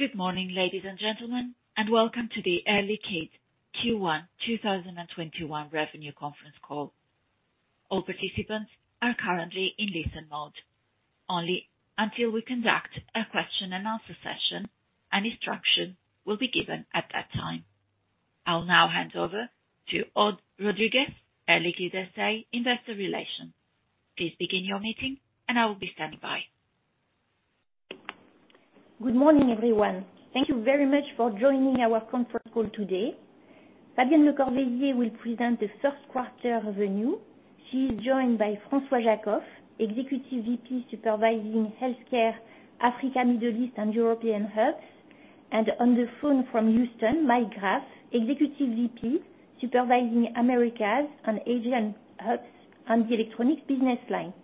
Good morning, ladies and gentlemen, and welcome to the Air Liquide Q1 2021 Revenue Conference Call. All participants are currently in listen mode only until we conduct a question and answer session, and instruction will be given at that time. I'll now hand over to Aude Rodriguez, Air Liquide S.A., Head of Investor Relations. Please begin your meeting and I will be standing by. Good morning, everyone. Thank you very much for joining our conference call today. Fabienne Lecorvaisier will present the first quarter revenue. She is joined by François Jackow, Executive VP supervising healthcare Africa, Middle East, and European hubs, and on the phone from Houston, Mike Graff, Executive VP supervising Americas and Asian hubs and the Electronics & Industrial business line.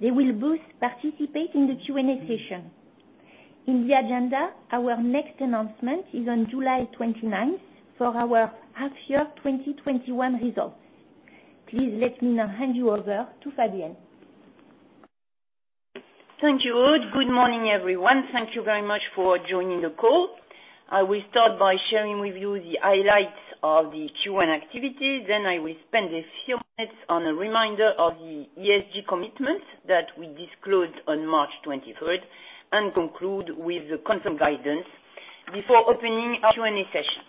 They will both participate in the Q&A session. In the agenda, our next announcement is on July 29th for our half year 2021 results. Please let me now hand you over to Fabienne. Thank you, Aude. Good morning, everyone. Thank you very much for joining the call. I will start by sharing with you the highlights of the Q1 activity, then I will spend a few minutes on a reminder of the ESG commitment that we disclosed on March 23rd, and conclude with the consent guidance before opening our Q&A session.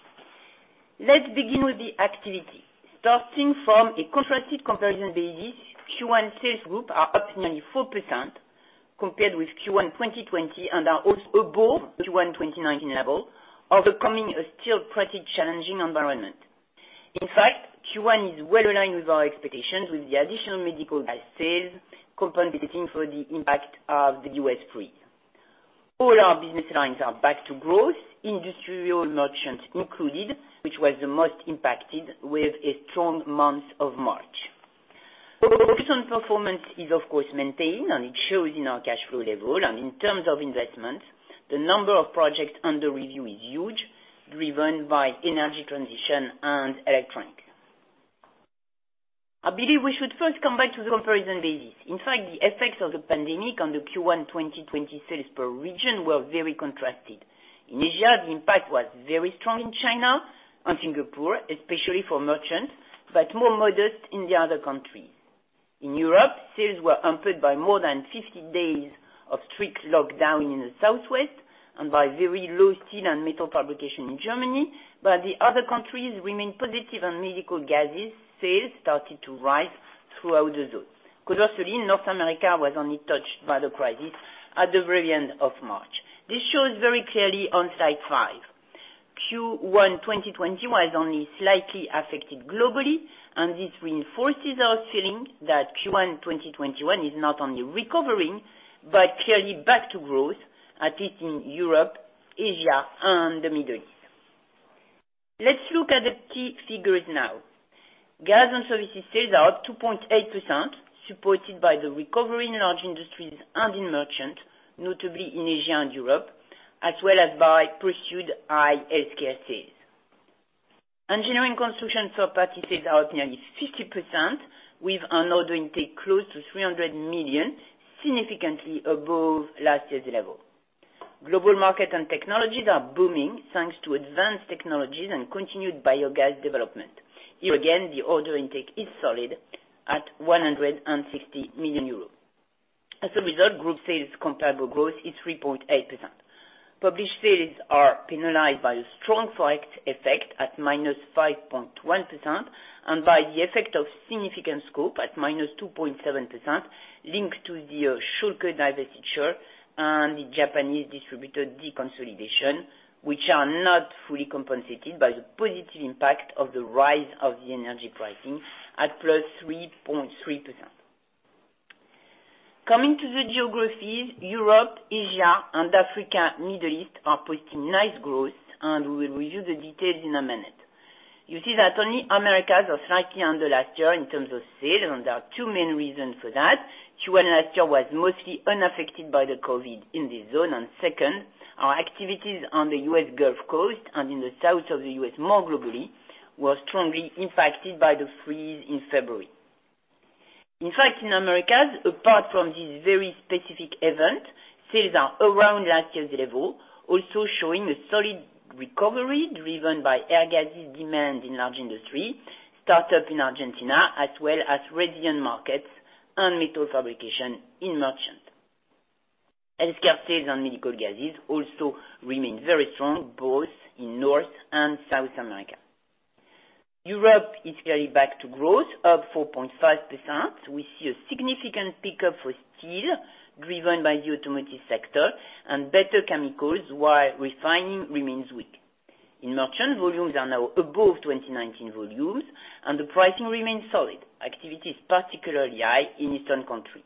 Let's begin with the activity. Starting from a contrasted comparison basis, Q1 sales group are up 94% compared with Q1 2020 and are also above Q1 2019 level, overcoming a still pretty challenging environment. In fact, Q1 is well aligned with our expectations with the additional medical gas sales compensating for the impact of the U.S. freeze. All our business lines are back to growth, industrial merchants included, which was the most impacted, with a strong month of March. Operational performance is, of course, maintained, and it shows in our cash flow level, and in terms of investment, the number of projects under review is huge, driven by energy transition and electronic. I believe we should first come back to the comparison basis. In fact, the effects of the pandemic on the Q1 2020 sales per region were very contrasted. In Asia, the impact was very strong in China and Singapore, especially for merchants, but more modest in the other countries. In Europe, sales were hampered by more than 50 days of strict lockdown in the southwest and by very low steel and metal fabrication in Germany. The other countries remain positive, and medical gases sales started to rise throughout the zone. Conversely, North America was only touched by the crisis at the very end of March. This shows very clearly on slide five. Q1 2020 was only slightly affected globally. This reinforces our feeling that Q1 2021 is not only recovering, but clearly back to growth, at least in Europe, Asia, and the Middle East. Let's look at the key figures now. Gas and services sales are up 2.8%, supported by the recovery in large industries and in merchant, notably in Asia and Europe, as well as by pursued high healthcare sales. Engineering construction for parties sales are up nearly 50%, with an order intake close to 300 million, significantly above last year's level. Global Markets & Technologies are booming, thanks to advanced technologies and continued biogas development. Here again, the order intake is solid at 160 million euros. As a result, group sales comparable growth is 3.8%. Published sales are penalized by a strong ForEx effect at -5.1%, and by the effect of significant scope at -2.7%, linked to the Schülke divestiture and the Japanese distributor deconsolidation, which are not fully compensated by the positive impact of the rise of the energy pricing at +3.3%. Coming to the geographies, Europe, Asia, and Africa, Middle East are posting nice growth, and we will review the details in a minute. You see that only Americas are slightly under last year in terms of sales, and there are two main reasons for that. Q1 last year was mostly unaffected by the COVID in this zone, and second, our activities on the U.S. Gulf Coast and in the south of the U.S. more globally, were strongly impacted by the freeze in February. In fact, in Americas, apart from this very specific event, sales are around last year's level, also showing a solid recovery driven by air gases demand in large industry, start-up in Argentina, as well as resilient markets and metal fabrication in merchant. Healthcare sales and medical gases also remain very strong, both in North and South America. Europe is clearly back to growth, up 4.5%. We see a significant pickup for steel, driven by the automotive sector, and better chemicals, while refining remains weak. In merchant, volumes are now above 2019 volumes, and the pricing remains solid. Activity is particularly high in eastern countries.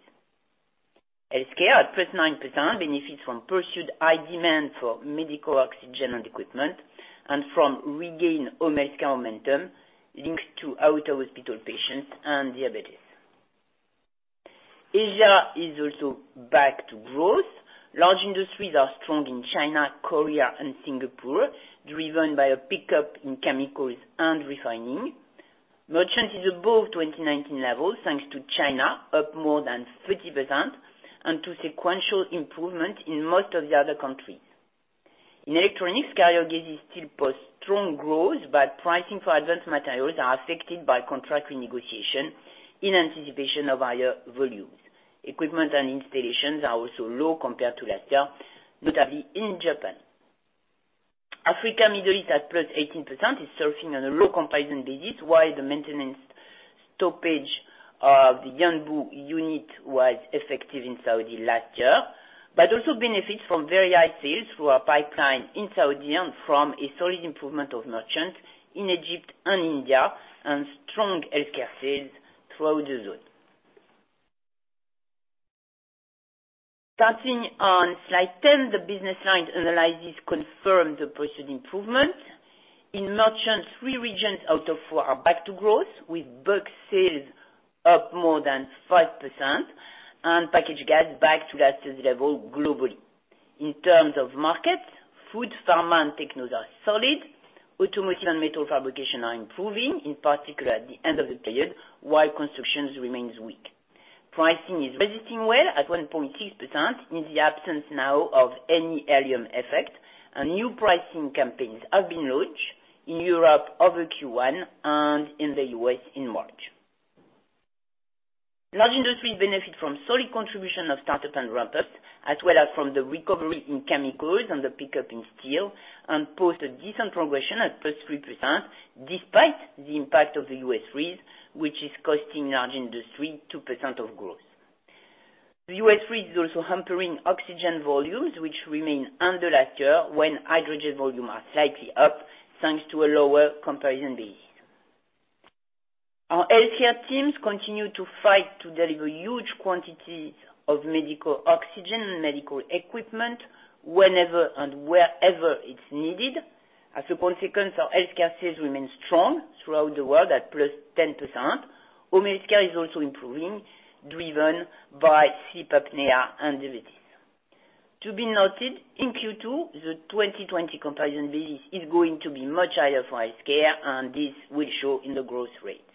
Healthcare, at +9%, benefits from pursued high demand for medical oxygen and equipment and from regained Home Healthcare momentum linked to out-of-hospital patients and diabetes. Asia is also back to growth. Large industries are strong in China, Korea, and Singapore, driven by a pickup in chemicals and refining. Merchant is above 2019 levels, thanks to China, up more than 30%, and to sequential improvement in most of the other countries. In electronics, carrier gas still posts strong growth, but pricing for advanced materials are affected by contract renegotiation in anticipation of higher volumes. Equipment and installations are also low compared to last year, notably in Japan. Africa, Middle East, at +18%, is surfing on a low comparison basis, while the maintenance stoppage of the Yanbu unit was effective in Saudi last year. Also benefits from very high sales through our pipeline in Saudi, and from a solid improvement of merchants in Egypt and India, and strong healthcare sales throughout the zone. Starting on slide 10, the business line analysis confirms the posted improvement. In merchants, three regions out of four are back to growth, with bulk sales up more than 5%, and packaged gas back to last year's level globally. In terms of markets, food, pharma, and technos are solid. Automotive and metal fabrication are improving, in particular, at the end of the period, while constructions remains weak. New pricing campaigns have been launched in Europe over Q1 and in the U.S. in March. Pricing is resisting well, at 1.6%, in the absence now of any helium effect. Large industry benefit from solid contribution of start-up and ramp-ups, as well as from the recovery in chemicals and the pickup in steel, and post a decent progression at +3%, despite the impact of the U.S. freeze, which is costing large industry 2% of growth. The U.S. freeze is also hampering oxygen volumes, which remain under last year, when hydrogen volume are slightly up, thanks to a lower comparison base. Our healthcare teams continue to fight to deliver huge quantities of medical oxygen, medical equipment whenever and wherever it's needed. As a consequence, our healthcare sales remain strong throughout the world at +10%. Home healthcare is also improving, driven by CPAP EMEA and the VTS. To be noted, in Q2, the 2020 comparison basis is going to be much higher for healthcare. This will show in the growth rate.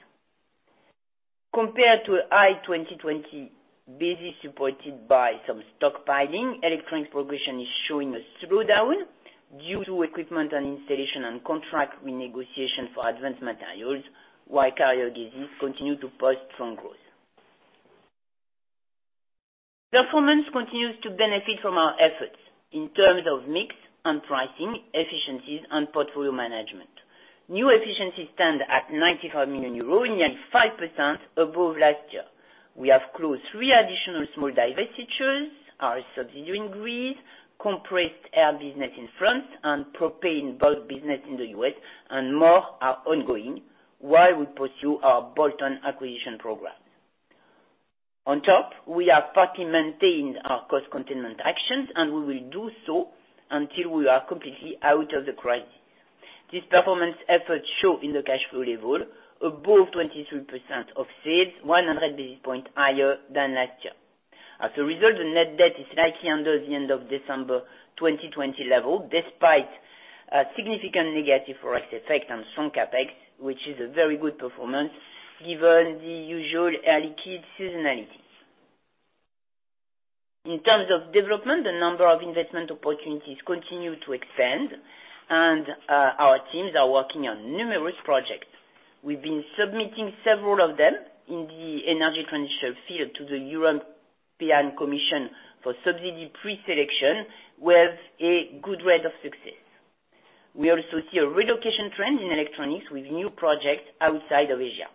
Compared to high 2020 basis supported by some stockpiling, Electronics progression is showing a slowdown due to equipment and installation and contract renegotiation for advanced materials, while carrier gases continue to post strong growth. Performance continues to benefit from our efforts in terms of mix and pricing, efficiencies, and portfolio management. New efficiencies stand at 95 million euros, nearly 5% above last year. We have closed three additional small divestitures, our subsidiary in Greece, compressed air business in France, and propane bulk business in the U.S., and more are ongoing while we pursue our bolt-on acquisition program. On top, we have partly maintained our cost containment actions, and we will do so until we are completely out of the crisis. This performance efforts show in the cash flow level, above 23% of sales, 100 basis points higher than last year. As a result, the net debt is slightly under the end of December 2020 level, despite a significant negative FX effect and strong CapEx, which is a very good performance given the usual Air Liquide seasonality. In terms of development, the number of investment opportunities continue to expand, and our teams are working on numerous projects. We've been submitting several of them in the energy transition field to the European Commission for subsidy pre-selection with a good rate of success. We also see a relocation trend in electronics with new projects outside of Asia.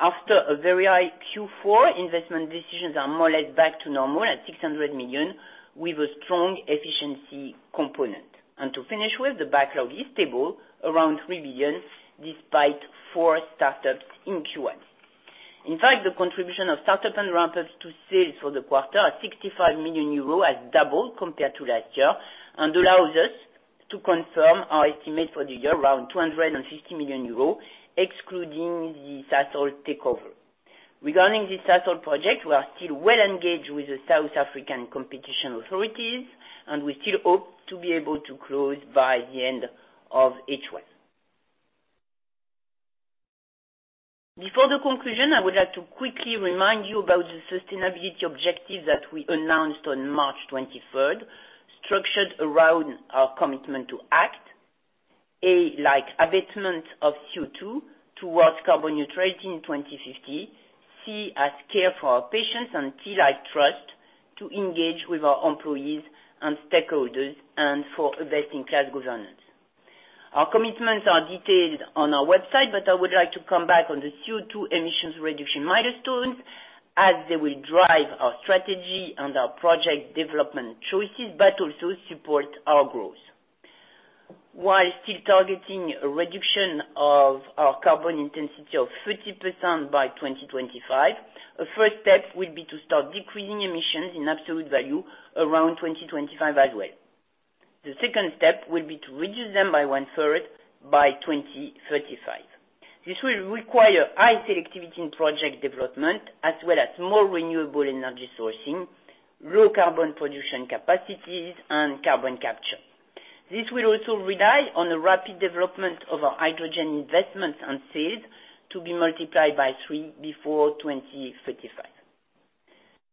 After a very high Q4, investment decisions are more or less back to normal at 600 million, with a strong efficiency component. To finish with, the backlog is stable around 3 billion, despite four start-ups in Q1. In fact, the contribution of start-up and ramp-ups to sales for the quarter at 65 million euros has doubled compared to last year and allows us to confirm our estimate for the year, around 250 million euros, excluding the Sasol takeover. Regarding this Sasol project, we are still well engaged with the South African competition authorities, and we still hope to be able to close by the end of H1. Before the conclusion, I would like to quickly remind you about the sustainability objectives that we announced on March 23rd, structured around our commitment to ACT. A, like abatement of CO2 towards carbon neutrality in 2050. C, as care for our patients, and T, like trust, to engage with our employees and stakeholders and for investing class governance. Our commitments are detailed on our website, but I would like to come back on the CO2 emissions reduction milestones, as they will drive our strategy and our project development choices, but also support our growth. While still targeting a reduction of our carbon intensity of 30% by 2025, a first step will be to start decreasing emissions in absolute value around 2025 as well. The second step will be to reduce them by one-third by 2035. This will require high selectivity in project development, as well as more renewable energy sourcing, low carbon production capacities, and carbon capture. This will also rely on the rapid development of our hydrogen investments and sales to be multiplied by three before 2035.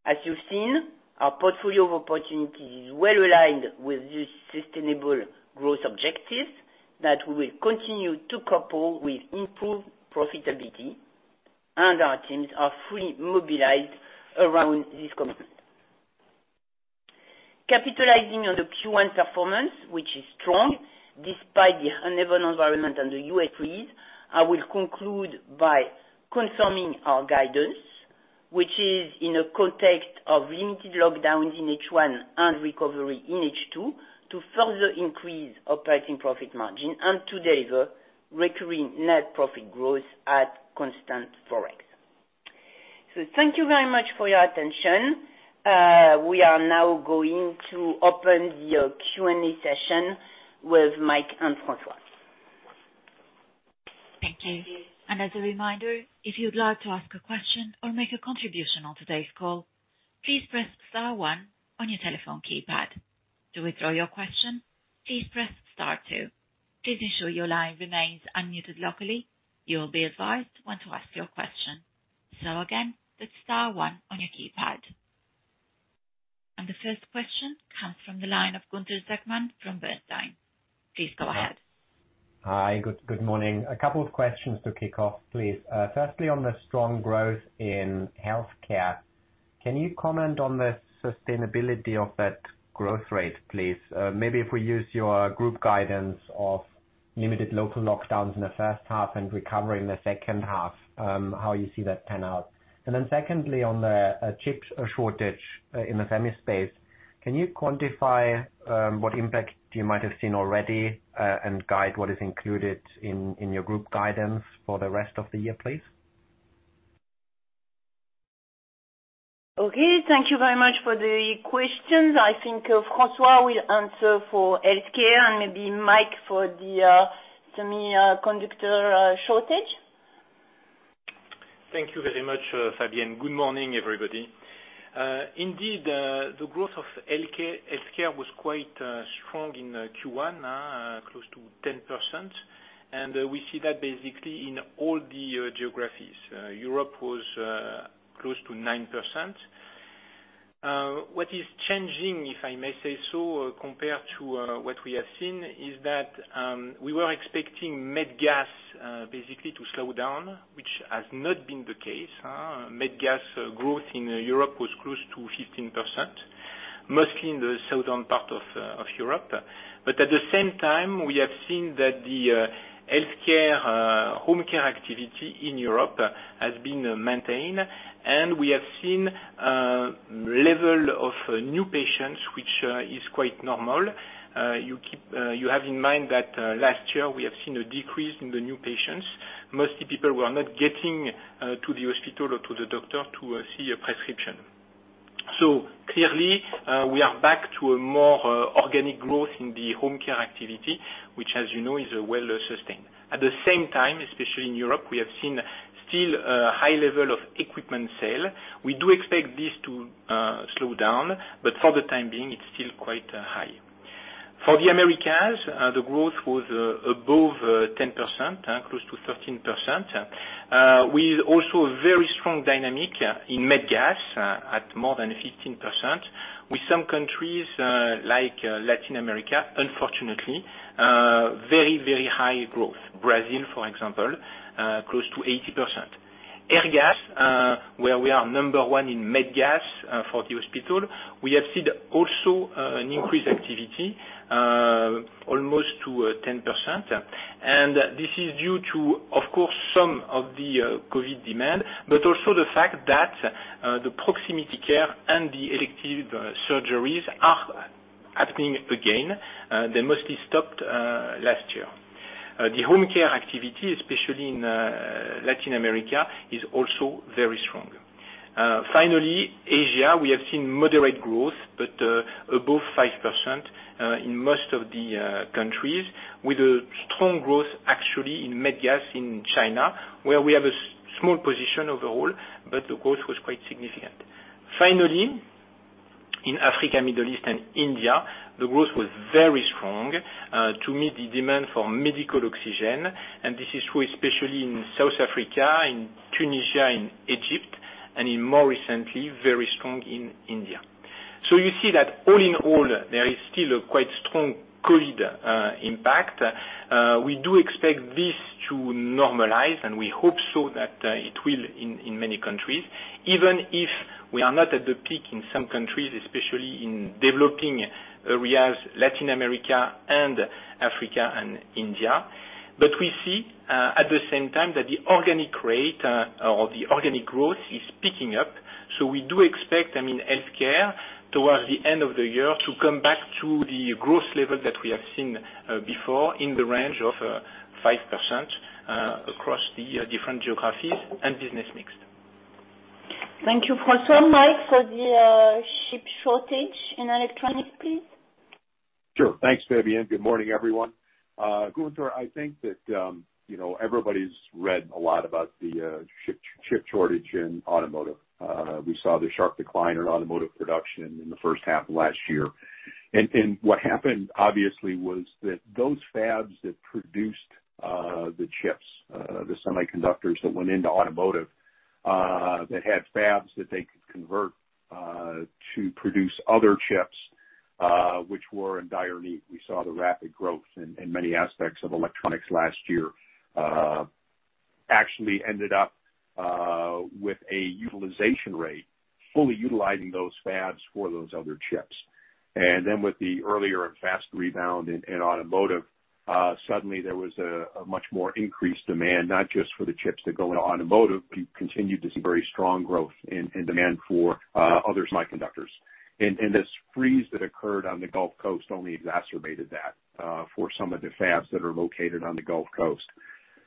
As you've seen, our portfolio of opportunities is well-aligned with the sustainable growth objectives that we will continue to couple with improved profitability, and our teams are fully mobilized around this commitment. Capitalizing on the Q1 performance, which is strong despite the uneven environment and the increase, I will conclude by confirming our guidance, which is in a context of limited lockdowns in H1 and recovery in H2 to further increase operating profit margin and to deliver recurring net profit growth at constant ForEx. Thank you very much for your attention. We are now going to open the Q&A session with Mike and François. Thank you. As a reminder, if you'd like to ask a question or make a contribution on today's call, please press star one on your telephone keypad. To withdraw your question, please press star two. Please ensure your line remains unmuted locally. You will be advised when to ask your question. Again, it's star one on your keypad. The first question comes from the line of Gunther Zechmann from Bernstein. Please go ahead. Hi. Good morning. A couple of questions to kick off, please. Firstly, on the strong growth in healthcare, can you comment on the sustainability of that growth rate, please? Maybe if we use your group guidance of limited local lockdowns in the first half and recovery in the second half, how you see that pan out. Secondly, on the chips shortage in the semi space, can you quantify what impact you might have seen already, and guide what is included in your group guidance for the rest of the year, please? Okay. Thank you very much for the questions. I think François will answer for healthcare and maybe Mike for the semiconductor shortage. Thank you very much, Fabienne. Good morning, everybody. Indeed, the growth of healthcare was quite strong in Q1, close to 10%, and we see that basically in all the geographies. Europe was close to 9%. What is changing, if I may say so, compared to what we have seen, is that we were expecting med gas basically to slow down, which has not been the case. Med gas growth in Europe was close to 15%, mostly in the southern part of Europe. At the same time, we have seen that the healthcare home care activity in Europe has been maintained, and we have seen a level of new patients which is quite normal. You have in mind that last year we have seen a decrease in the new patients, mostly people who are not getting to the hospital or to the doctor to see a prescription. Clearly, we are back to a more organic growth in the home care activity, which as you know is well sustained. At the same time, especially in Europe, we have seen still a high level of equipment sale. We do expect this to slow down, but for the time being, it's still quite high. For the Americas, the growth was above 10%, close to 13%, with also a very strong dynamic in med gas at more than 15%, with some countries like Latin America, unfortunately, very high growth. Brazil, for example, close to 80%. Airgas, where we are number one in med gas for the hospital, we have seen also an increased activity almost to 10%. This is due to, of course, some of the COVID demand, but also the fact that the proximity care and the elective surgeries are happening again. They mostly stopped last year. The home care activity, especially in Latin America, is also very strong. Asia, we have seen moderate growth, but above 5% in most of the countries, with a strong growth actually in med gas in China, where we have a small position overall, but the growth was quite significant. In Africa, Middle East, and India, the growth was very strong to meet the demand for medical oxygen, and this is true especially in South Africa, in Tunisia, in Egypt, and in more recently, very strong in India. You see that all in all, there is still a quite strong COVID impact. We do expect this to normalize, and we hope so that it will in many countries, even if we are not at the peak in some countries, especially in developing areas, Latin America, and Africa, and India. We see at the same time that the organic rate or the organic growth is picking up. We do expect healthcare towards the end of the year to come back to the growth level that we have seen before in the range of 5% across the different geographies and business mix. Thank you, François. Mike, for the chip shortage in electronics, please. Sure. Thanks, Fabienne. Good morning, everyone. Gunther, I think that everybody's read a lot about the chip shortage in automotive. We saw the sharp decline in automotive production in the first half of last year. What happened, obviously, was that those fabs that produced the chips, the semiconductors that went into automotive, that had fabs that they could convert to produce other chips, which were in dire need. We saw the rapid growth in many aspects of electronics last year. Actually ended up with a utilization rate, fully utilizing those fabs for those other chips. Then with the earlier and faster rebound in automotive, suddenly there was a much more increased demand, not just for the chips that go in automotive, but you continued to see very strong growth in demand for other semiconductors. This freeze that occurred on the Gulf Coast only exacerbated that for some of the fabs that are located on the Gulf Coast.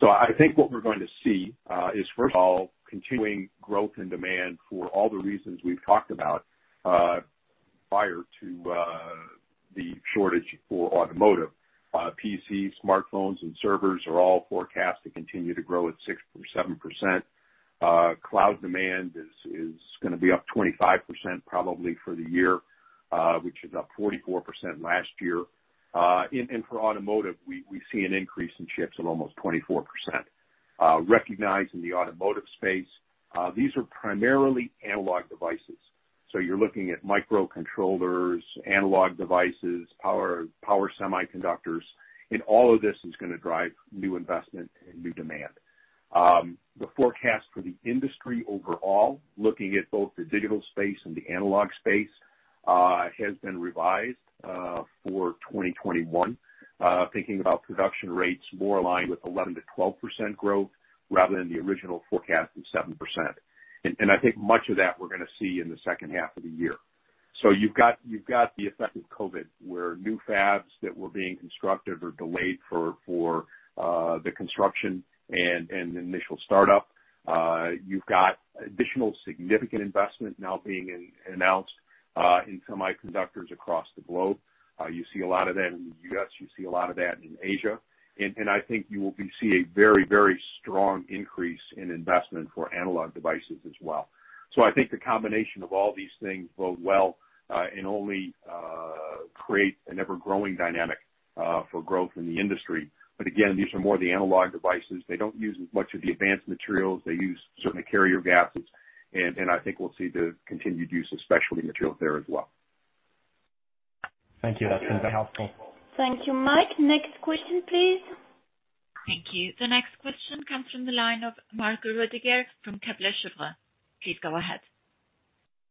I think what we're going to see, is first of all, continuing growth and demand for all the reasons we've talked about prior to the shortage for automotive. PC, smartphones, and servers are all forecast to continue to grow at 6% or 7%. Cloud demand is going to be up 25% probably for the year, which is up 44% last year. For automotive, we see an increase in chips of almost 24%. Recognized in the automotive space, these are primarily analog devices. You're looking at microcontrollers, analog devices, power semiconductors, and all of this is going to drive new investment and new demand. The forecast for the industry overall, looking at both the digital space and the analog space, has been revised for 2021. Thinking about production rates more aligned with 11%-12% growth rather than the original forecast of 7%. I think much of that we're going to see in the second half of the year. You've got the effect of COVID, where new fabs that were being constructed or delayed for the construction and the initial startup. You've got additional significant investment now being announced in semiconductors across the globe. You see a lot of that in the U.S., you see a lot of that in Asia. I think you will be seeing a very strong increase in investment for analog devices as well. I think the combination of all these things bode well, and only create an ever-growing dynamic for growth in the industry. Again, these are more the analog devices. They don't use as much of the advanced materials. They use certain carrier gases. I think we'll see the continued use of specialty materials there as well. Thank you. That's been helpful. Thank you, Mike. Next question, please. Thank you. The next question comes from the line of Marco Baccaglio from Kepler Cheuvreux. Please go ahead.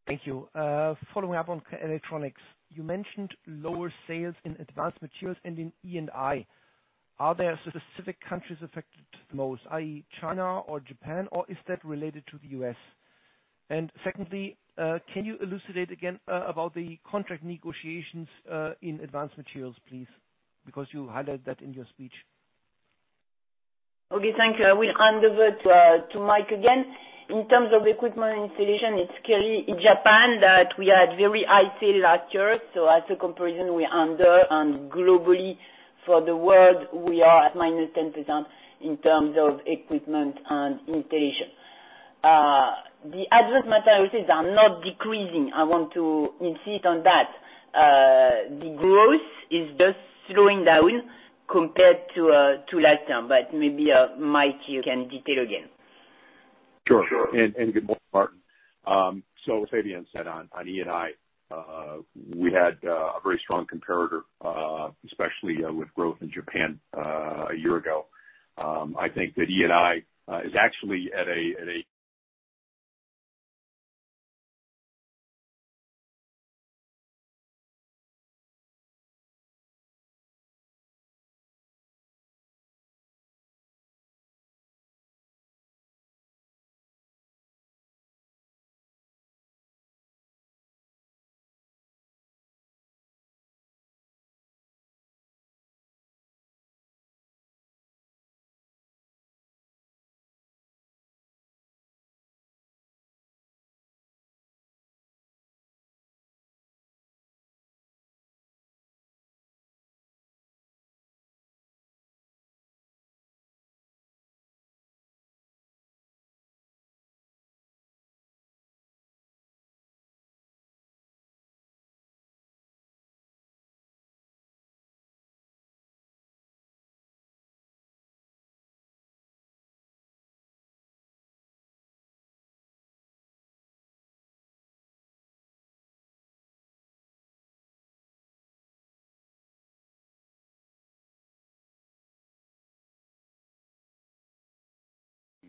Thank you. Following up on Electronics, you mentioned lower sales in Advanced Materials and in E&I. Are there specific countries affected the most, i.e., China or Japan, or is that related to the U.S.? Secondly, can you elucidate again about the contract negotiations in Advanced Materials, please? Because you highlighted that in your speech. Okay, thank you. I will hand over to Mike again. In terms of equipment installation, it's clearly in Japan that we had very high sale last year. As a comparison, globally for the world, we are at -10% in terms of equipment and installation. The advanced material sales are not decreasing. I want to insist on that. The growth is just slowing down compared to last term. Maybe, Mike, you can detail again. Sure. Good morning, Marco. As Fabienne said on Electronics & Industrial, we had a very strong comparator, especially with growth in Japan a year ago. I think that Electronics & Industrial is actually at a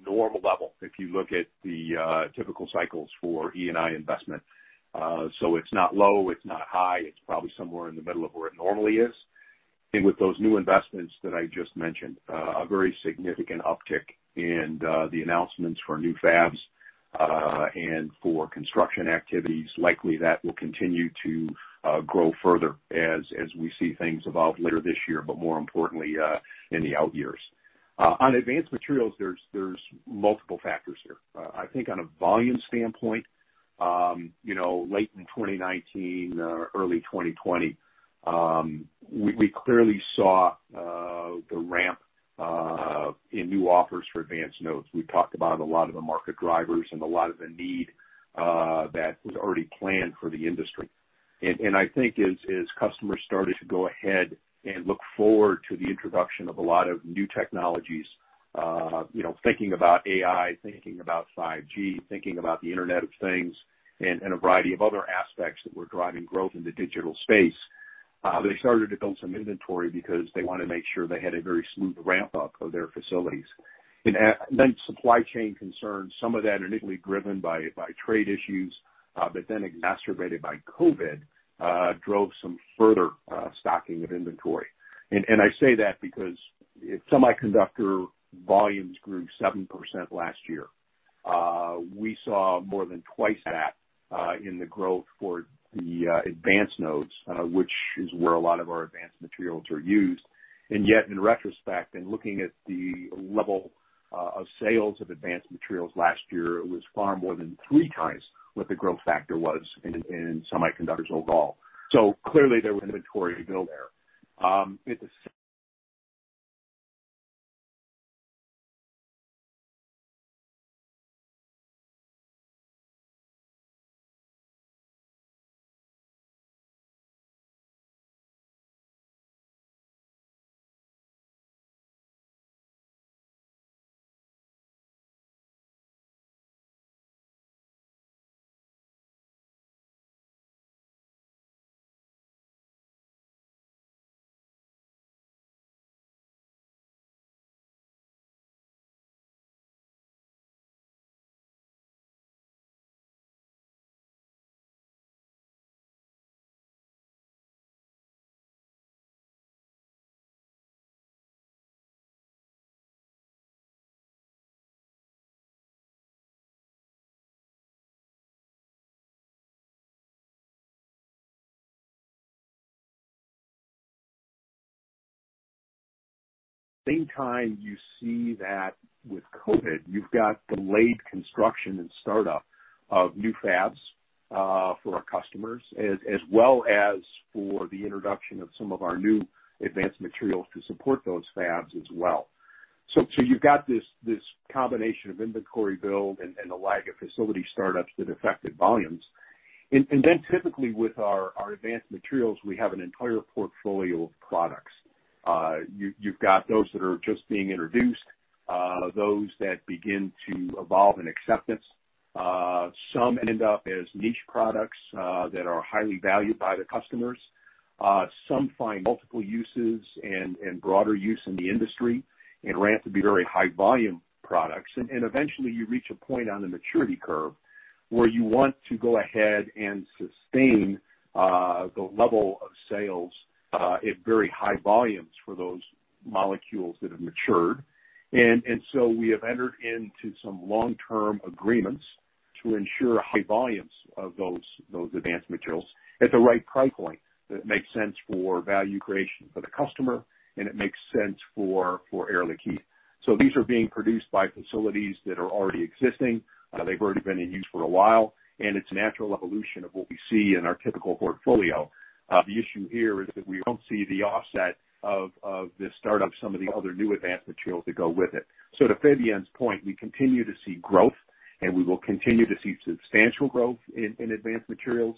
normal level, if you look at the typical cycles for Electronics & Industrial investment. It's not low, it's not high. It's probably somewhere in the middle of where it normally is. With those new investments that I just mentioned, a very significant uptick in the announcements for new fabs, and for construction activities. Likely that will continue to grow further as we see things evolve later this year, but more importantly, in the out years. On advanced materials, there's multiple factors here. I think on a volume standpoint, late in 2019, early 2020, we clearly saw the ramp in new offers for advanced nodes. We talked about a lot of the market drivers and a lot of the need that was already planned for the industry. I think as customers started to go ahead and look forward to the introduction of a lot of new technologies, thinking about AI, thinking about 5G, thinking about the Internet of Things and a variety of other aspects that were driving growth in the digital space, they started to build some inventory because they wanted to make sure they had a very smooth ramp-up of their facilities. Supply chain concerns, some of that initially driven by trade issues, but then exacerbated by COVID, drove some further stocking of inventory. I say that because semiconductor volumes grew 7% last year. We saw more than twice that in the growth for the advanced nodes, which is where a lot of our advanced materials are used. Yet, in retrospect, in looking at the level of sales of advanced materials last year, it was far more than three times what the growth factor was in semiconductors overall. Clearly there was inventory to build there. At the same time, you see that with COVID, you've got delayed construction and startup of new fabs for our customers, as well as for the introduction of some of our new advanced materials to support those fabs as well. You've got this combination of inventory build and the lag of facility startups that affected volumes. Typically with our advanced materials, we have an entire portfolio of products. You've got those that are just being introduced, those that begin to evolve in acceptance. Some end up as niche products that are highly valued by the customers. Some find multiple uses and broader use in the industry and ramp to be very high volume products. Eventually you reach a point on the maturity curve where you want to go ahead and sustain the level of sales at very high volumes for those molecules that have matured. We have entered into some long-term agreements to ensure high volumes of those advanced materials at the right price point that makes sense for value creation for the customer, and it makes sense for Air Liquide. These are being produced by facilities that are already existing. They've already been in use for a while, and it's a natural evolution of what we see in our typical portfolio. The issue here is that we don't see the offset of the startup, some of the other new advanced materials that go with it. To Fabien's point, we continue to see growth, and we will continue to see substantial growth in advanced materials.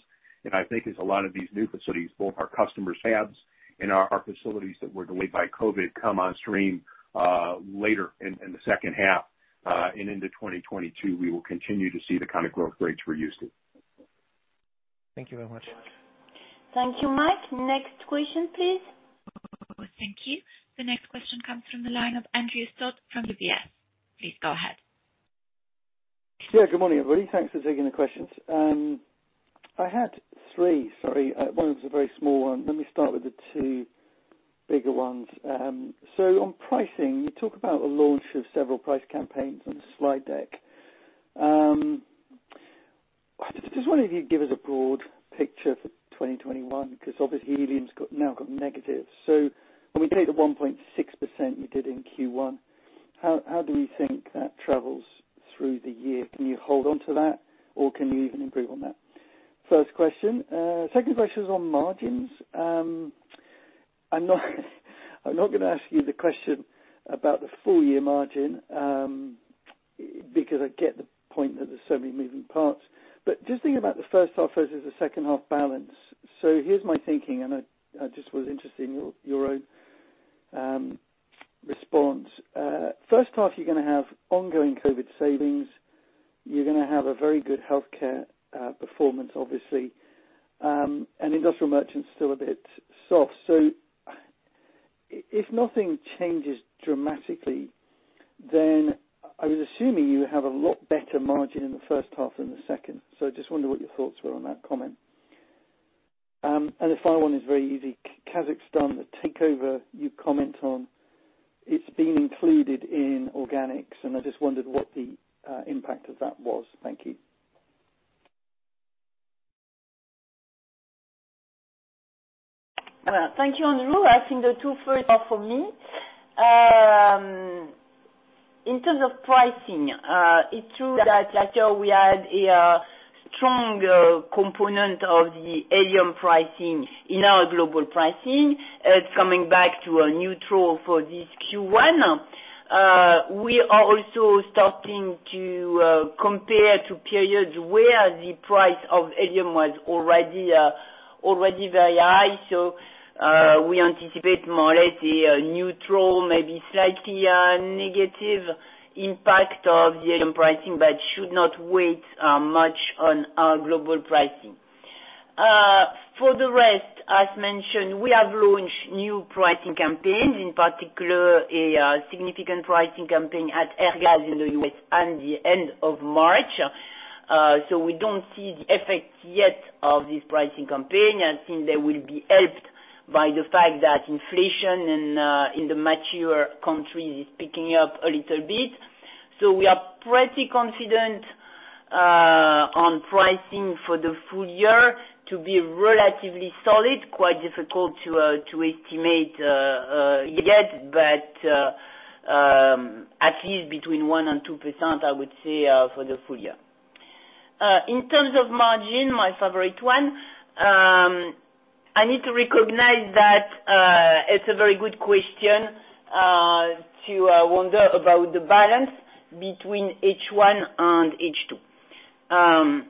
I think as a lot of these new facilities, both our customers' fabs and our facilities that were delayed by COVID come on stream later in the second half and into 2022, we will continue to see the kind of growth rates we're used to. Thank you very much. Thank you, Mike. Next question, please. Thank you. The next question comes from the line of Andrew Stott from UBS. Please go ahead. Yeah. Good morning, everybody. Thanks for taking the questions. I had three, sorry. One was a very small one. Let me start with the two bigger ones. On pricing, you talk about a launch of several price campaigns on the slide deck. I just wonder if you'd give us a broad picture for 2021, because obviously helium's now got negative. When we take the 1.6% you did in Q1, how do we think that travels through the year? Can you hold onto that, or can you even improve on that? First question. Second question is on margins. I'm not going to ask you the question about the full year margin, because I get the point that there's so many moving parts. Just thinking about the first half versus the second half balance. Here's my thinking, and I just was interested in your own response. First half, you're going to have ongoing COVID savings. You're going to have a very good healthcare performance, obviously, and industrial merchant's still a bit soft. If nothing changes dramatically, I was assuming you have a lot better margin in the first half than the second. I just wonder what your thoughts were on that comment. The final one is very easy. Kazakhstan, the takeover you comment on, it's being included in organics. I just wondered what the impact of that was. Thank you. Well, thank you, Andrew. I think the two first are for me. In terms of pricing, it's true that last year we had a strong component of the helium pricing in our global pricing. It's coming back to a neutral for this Q1. We are also starting to compare to periods where the price of helium was already very high. We anticipate more or less a neutral, maybe slightly negative impact of the helium pricing, but should not weigh much on our global pricing. For the rest, as mentioned, we have launched new pricing campaigns, in particular, a significant pricing campaign at Airgas in the U.S. and the end of March. We don't see the effect yet of this pricing campaign. I think they will be helped by the fact that inflation in the mature countries is picking up a little bit. We are pretty confident, on pricing for the full year to be relatively solid, quite difficult to estimate yet, but at least between 1% and 2%, I would say, for the full year. In terms of margin, my favorite one, I need to recognize that, it's a very good question, to wonder about the balance between H1 and H2.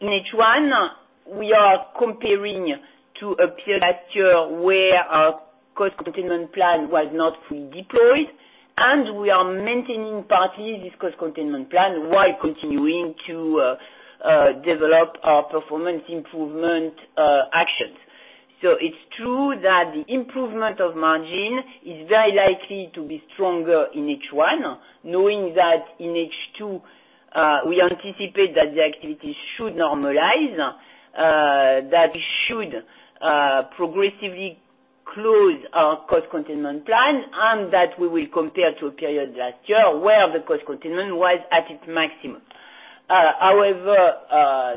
In H1, we are comparing to a period last year where our cost containment plan was not fully deployed, and we are maintaining partly this cost containment plan while continuing to develop our performance improvement actions. It's true that the improvement of margin is very likely to be stronger in H1, knowing that in H2, we anticipate that the activities should normalize, that we should progressively close our cost containment plan, and that we will compare to a period last year where the cost containment was at its maximum.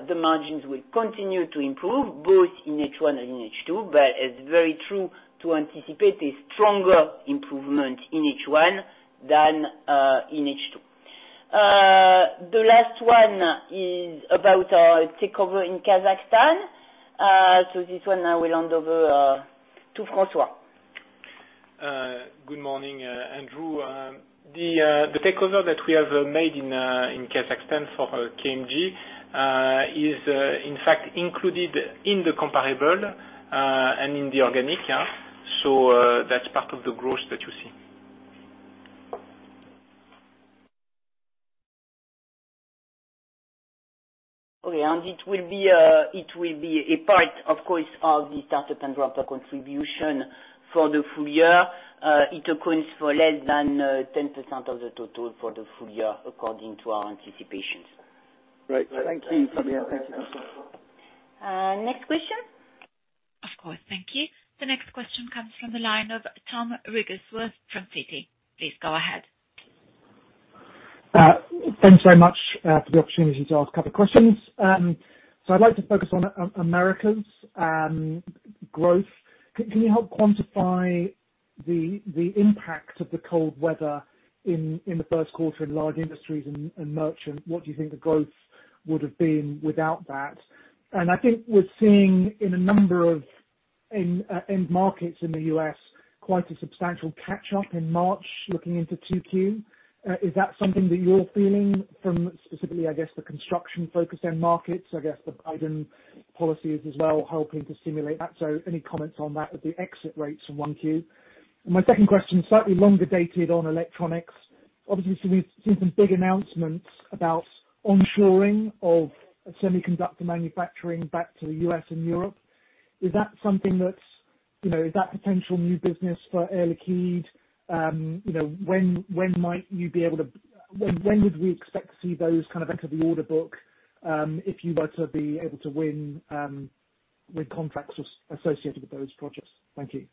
The margins will continue to improve both in H1 and in H2, but it's very true to anticipate a stronger improvement in H1 than in H2. The last one is about our takeover in Kazakhstan. This one, I will hand over to François. Good morning, Andrew. The takeover that we have made in Kazakhstan for KMG, is in fact included in the comparable, and in the organic. That's part of the growth that you see. Okay. It will be a part, of course, of the start up and ramp contribution for the full year. It accounts for less than 10% of the total for the full year according to our anticipations. Great. Thank you, Fabienne. Next question. Of course. Thank you. The next question comes from the line of Thomas Wrigglesworth from Citi. Please go ahead. Thanks very much for the opportunity to ask a couple of questions. I'd like to focus on America's growth. Can you help quantify the impact of the cold weather in the first quarter in large industries and merchant? What do you think the growth would have been without that? I think we're seeing in a number of end markets in the U.S. quite a substantial catch up in March looking into 2Q. Is that something that you're feeling from specifically, I guess, the construction-focused end markets, I guess the Biden policies as well, helping to stimulate that? Any comments on that with the exit rates from 1Q? My second question is slightly longer dated on electronics. Obviously, we've seen some big announcements about onshoring of semiconductor manufacturing back to the U.S. and Europe. Is that potential new business for Air Liquide? When would we expect to see those kind of enter the order book, if you were to be able to win contracts associated with those projects? Thank you.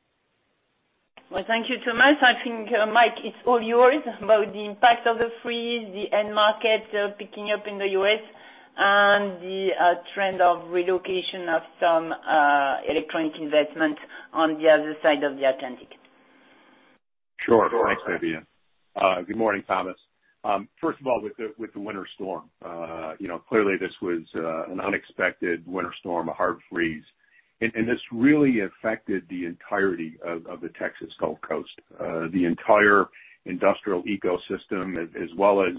Well, thank you, Thomas. I think, Mike, it's all yours about the impact of the freeze, the end market picking up in the U.S., and the trend of relocation of some electronic investment on the other side of the Atlantic. Sure. Thanks, Fabienne. Good morning, Thomas. First of all, with the winter storm, clearly this was an unexpected winter storm, a hard freeze. This really affected the entirety of the Texas Gulf Coast. The entire industrial ecosystem, as well as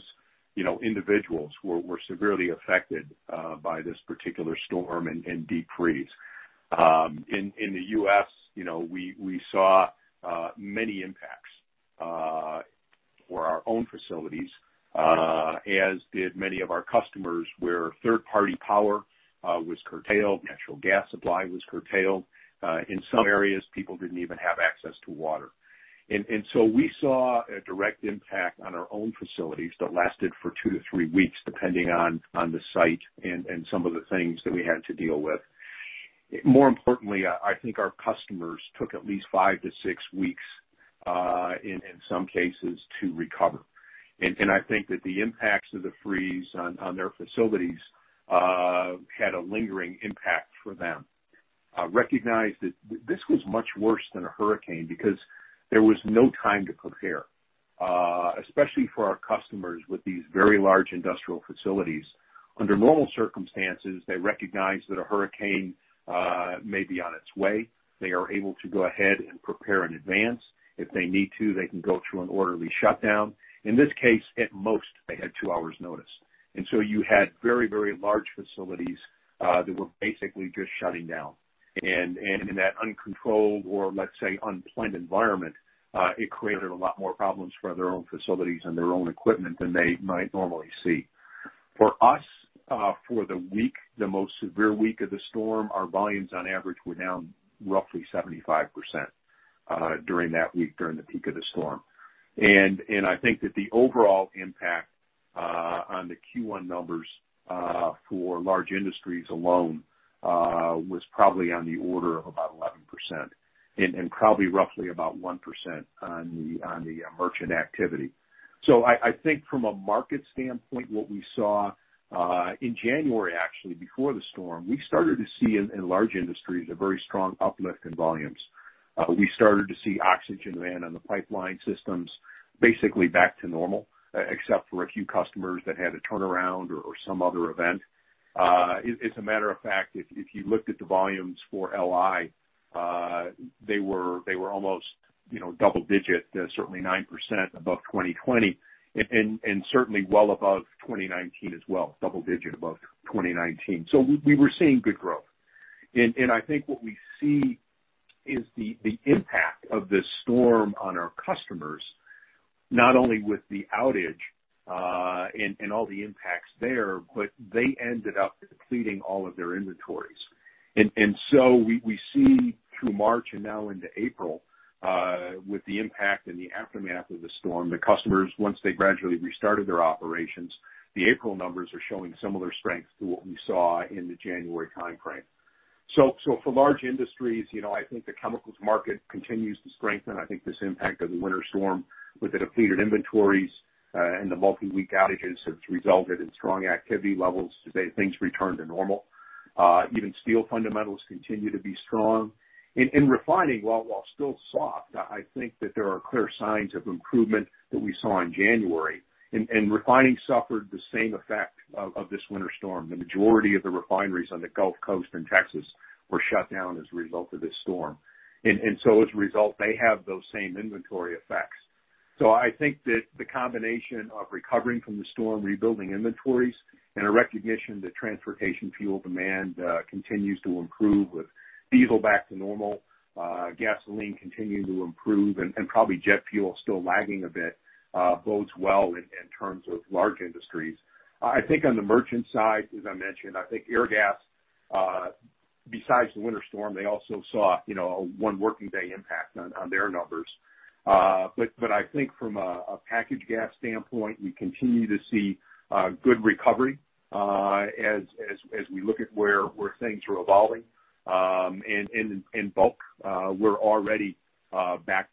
individuals were severely affected by this particular storm and deep freeze. In the U.S. we saw many impacts for our own facilities, as did many of our customers where third-party power was curtailed, natural gas supply was curtailed. In some areas, people didn't even have access to water. We saw a direct impact on our own facilities that lasted for two to three weeks, depending on the site and some of the things that we had to deal with. More importantly, I think our customers took at least five to six weeks in some cases to recover. I think that the impacts of the freeze on their facilities had a lingering impact for them. Recognize that this was much worse than a hurricane because there was no time to prepare, especially for our customers with these very large industrial facilities. Under normal circumstances, they recognize that a hurricane may be on its way. They are able to go ahead and prepare in advance. If they need to, they can go through an orderly shutdown. In this case, at most, they had two hours notice. You had very large facilities that were basically just shutting down. In that uncontrolled, or let's say unplanned environment, it created a lot more problems for their own facilities and their own equipment than they might normally see. For us, for the week, the most severe week of the storm, our volumes on average were down roughly 75% during that week, during the peak of the storm. I think that the overall impact on the Q1 numbers for Large Industries alone was probably on the order of about 11% and probably roughly about 1% on the merchant activity. I think from a market standpoint, what we saw, in January, actually, before the storm, we started to see in Large Industries a very strong uplift in volumes. We started to see oxygen demand on the pipeline systems basically back to normal, except for a few customers that had a turnaround or some other event. As a matter of fact, if you looked at the volumes for LI, they were almost double-digit, certainly 9% above 2020 and certainly well above 2019 as well, double-digit above 2019. We were seeing good growth. I think what we see is the impact of this storm on our customers, not only with the outage and all the impacts there, but they ended up depleting all of their inventories. We see through March and now into April with the impact and the aftermath of the storm, the customers, once they gradually restarted their operations, the April numbers are showing similar strength to what we saw in the January timeframe. For large industries, I think the chemicals market continues to strengthen. I think this impact of the winter storm with the depleted inventories and the multi-week outages has resulted in strong activity levels as things return to normal. Even steel fundamentals continue to be strong. In refining, while still soft, I think that there are clear signs of improvement that we saw in January. Refining suffered the same effect of this winter storm. The majority of the refineries on the Gulf Coast and Texas were shut down as a result of this storm. As a result, they have those same inventory effects. I think that the combination of recovering from the storm, rebuilding inventories, and a recognition that transportation fuel demand continues to improve with diesel back to normal, gasoline continuing to improve, and probably jet fuel still lagging a bit bodes well in terms of large industries. I think on the merchant side, as I mentioned, I think Airgas, besides the winter storm, they also saw a one working day impact on their numbers. I think from a packaged gas standpoint, we continue to see good recovery as we look at where things are evolving. In bulk, we're already back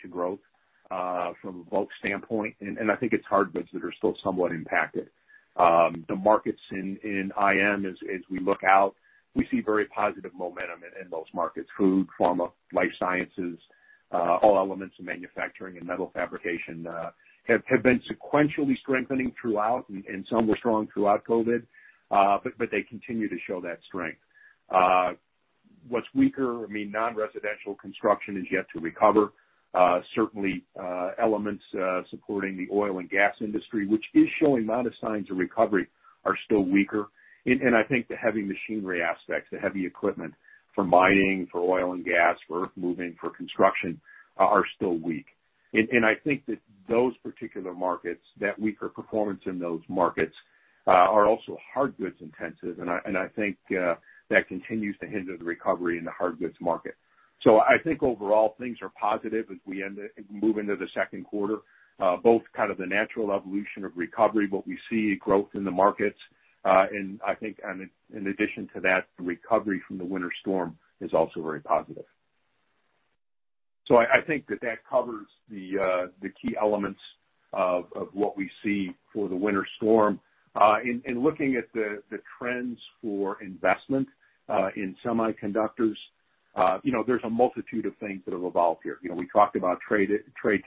to growth from a bulk standpoint. I think it's hard goods that are still somewhat impacted. The markets in IM, as we look out, we see very positive momentum in those markets. Food, pharma, life sciences, all elements of manufacturing and metal fabrication have been sequentially strengthening throughout, and some were strong throughout COVID, but they continue to show that strength. What's weaker? Non-residential construction is yet to recover. Certainly elements supporting the oil and gas industry, which is showing modest signs of recovery, are still weaker. I think the heavy machinery aspects, the heavy equipment for mining, for oil and gas, for earth moving, for construction, are still weak. I think that those particular markets, that weaker performance in those markets are also hard goods intensive, and I think that continues to hinder the recovery in the hard goods market. I think overall things are positive as we move into the second quarter, both kind of the natural evolution of recovery, what we see growth in the markets. I think in addition to that, the recovery from the winter storm is also very positive. I think that covers the key elements of what we see for the winter storm. In looking at the trends for investment in semiconductors, there's a multitude of things that have evolved here. We talked about trade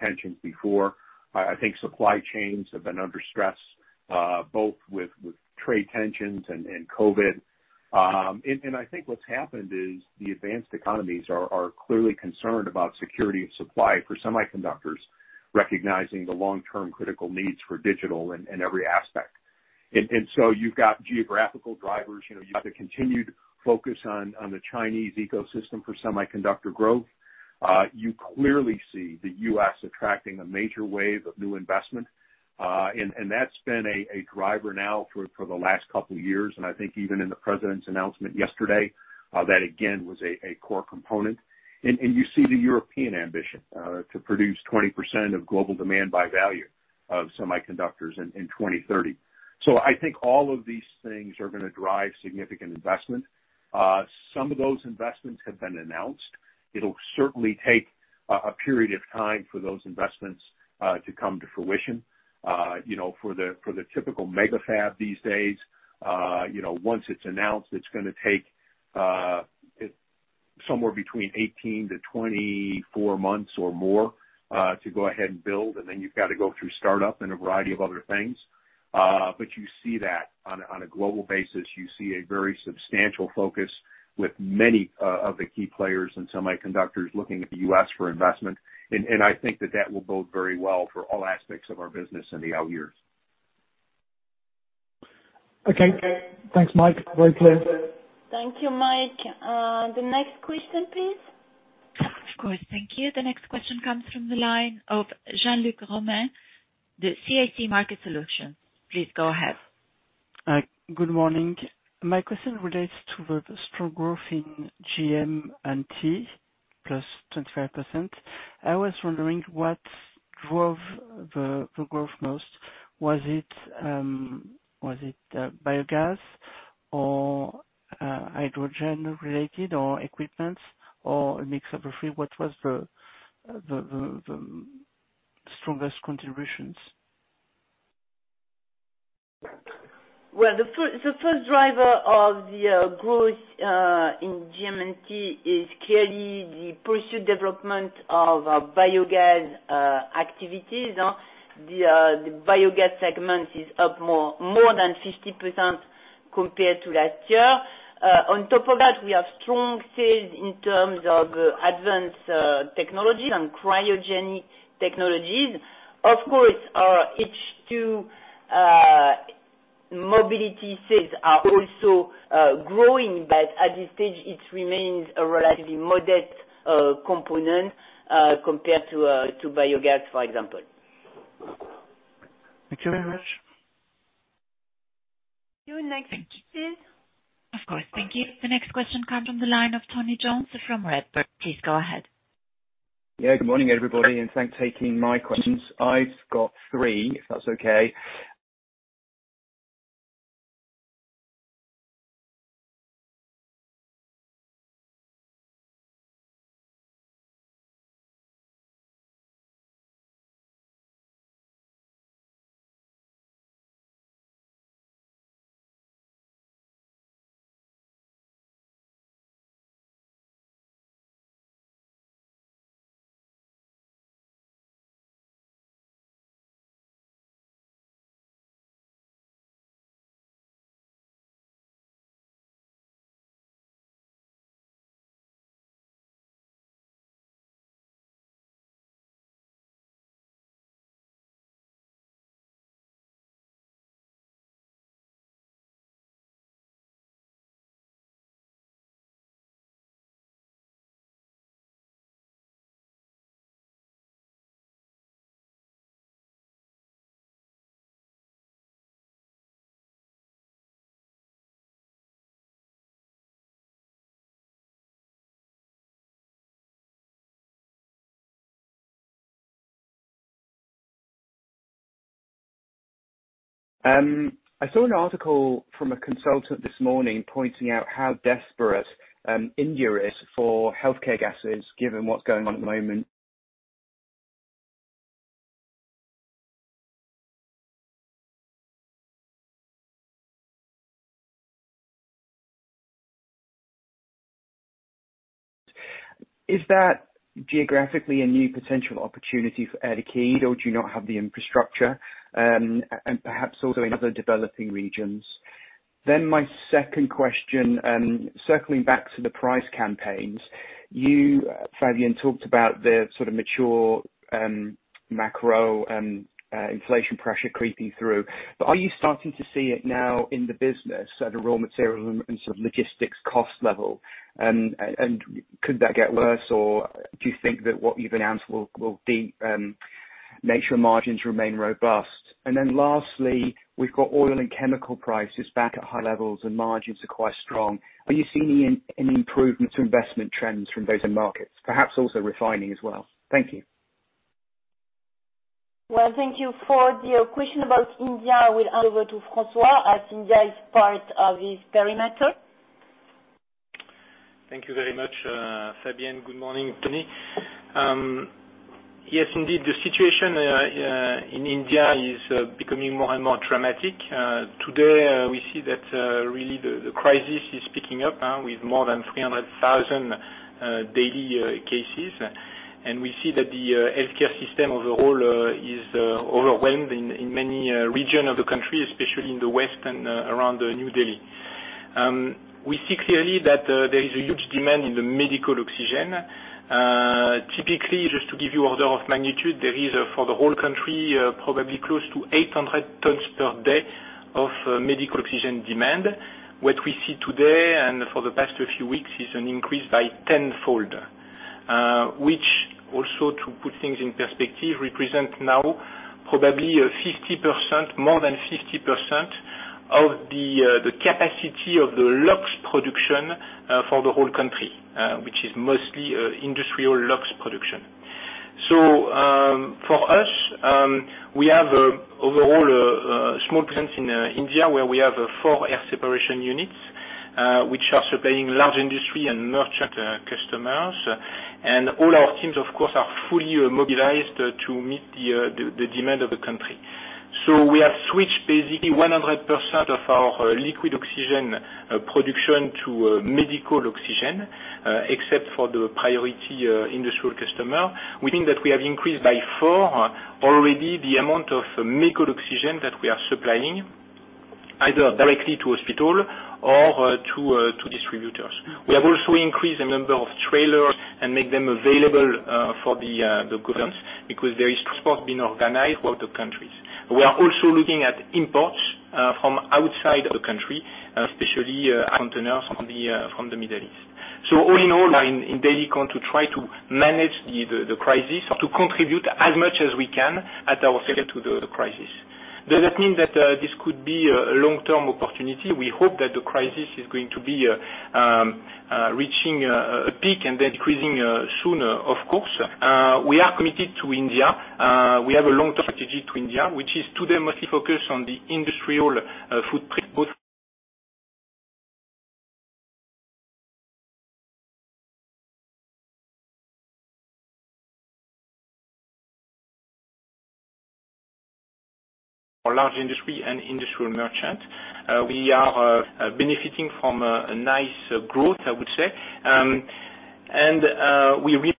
tensions before. I think supply chains have been under stress both with trade tensions and COVID. I think what's happened is the advanced economies are clearly concerned about security of supply for semiconductors, recognizing the long-term critical needs for digital in every aspect. You've got geographical drivers, you've got the continued focus on the Chinese ecosystem for semiconductor growth. You clearly see the U.S. attracting a major wave of new investment. That's been a driver now for the last couple of years. I think even in the President's announcement yesterday, that again, was a core component. You see the European ambition to produce 20% of global demand by value of semiconductors in 2030. I think all of these things are going to drive significant investment. Some of those investments have been announced. It'll certainly take a period of time for those investments to come to fruition. For the typical mega fab these days, once it's announced, it's going to take somewhere between 18-24 months or more to go ahead and build. Then you've got to go through startup and a variety of other things. You see that on a global basis. You see a very substantial focus with many of the key players in semiconductors looking at the U.S. for investment. I think that that will bode very well for all aspects of our business in the out years. Okay. Thanks, Mike. Very clear. Thank you, Mike. The next question, please. Of course. Thank you. The next question comes from the line of Jean-Luc Romain, the CIC Market Solutions. Please go ahead. Good morning. My question relates to the strong growth in GM&T, plus 25%. I was wondering what drove the growth most. Was it biogas or hydrogen related or equipments, or a mix of the three? What was the strongest contributions? The first driver of the growth in GM&T is clearly the pursued development of biogas activities. The biogas segment is up more than 50% compared to last year. On top of that, we have strong sales in terms of advanced technologies and cryogenic technologies. Of course, H2 mobility sales are also growing, but at this stage, it remains a relatively modest component compared to biogas, for example. Thank you very much. Your next, please. Of course. Thank you. The next question comes on the line of Tony Jones from Redburn. Please go ahead. Yeah. Good morning, everybody, and thanks for taking my questions. I've got three, if that's okay. I saw an article from a consultant this morning pointing out how desperate India is for healthcare gases given what's going on at the moment. Is that geographically a new potential opportunity for Air Liquide, or do you not have the infrastructure? Perhaps also in other developing regions. My second question, circling back to the price campaigns. You, Fabienne, talked about the sort of mature macro inflation pressure creeping through. Are you starting to see it now in the business at a raw material and logistics cost level? Could that get worse, or do you think that what you've announced will make sure margins remain robust? Lastly, we've got oil and chemical prices back at high levels and margins are quite strong. Are you seeing any improvements in investment trends from those markets, perhaps also refining as well? Thank you. Well, thank you for the question about India. I will hand over to François, as India is part of his perimeter. Thank you very much, Fabienne. Good morning, Tony. Yes, indeed, the situation in India is becoming more and more dramatic. Today, we see that really the crisis is picking up now with more than 300,000 daily cases. We see that the healthcare system overall is overwhelmed in many regions of the country, especially in the west and around New Delhi. We see clearly that there is a huge demand in medical oxygen. Typically, just to give you order of magnitude, there is, for the whole country, probably close to 800 tons per day of medical oxygen demand. What we see today and for the past few weeks is an increase by tenfold. Which also, to put things in perspective, represents now probably more than 50% of the capacity of the LOX production for the whole country, which is mostly industrial LOX production. For us, we have overall small plants in India where we have four air separation units, which are supplying large industry and merchant customers. All our teams, of course, are fully mobilized to meet the demand of the country. We have switched basically 100% of our liquid oxygen production to medical oxygen, except for the priority industrial customer. We think that we have increased by four already the amount of medical oxygen that we are supplying, either directly to hospital or to distributors. We have also increased the number of trailers and make them available for the government because there is transport being organized out of countries. We are also looking at imports from outside the country, especially containers from the Middle East. All in all, in Delhi going to try to manage the crisis to contribute as much as we can at our side to the crisis. Does that mean that this could be a long-term opportunity? We hope that the crisis is going to be reaching a peak and then decreasing sooner, of course. We are committed to India. We have a long-term strategy to India, which is today mostly focused on the industrial footprint, for large industry and industrial merchant. We are benefiting from a nice growth, I would say. We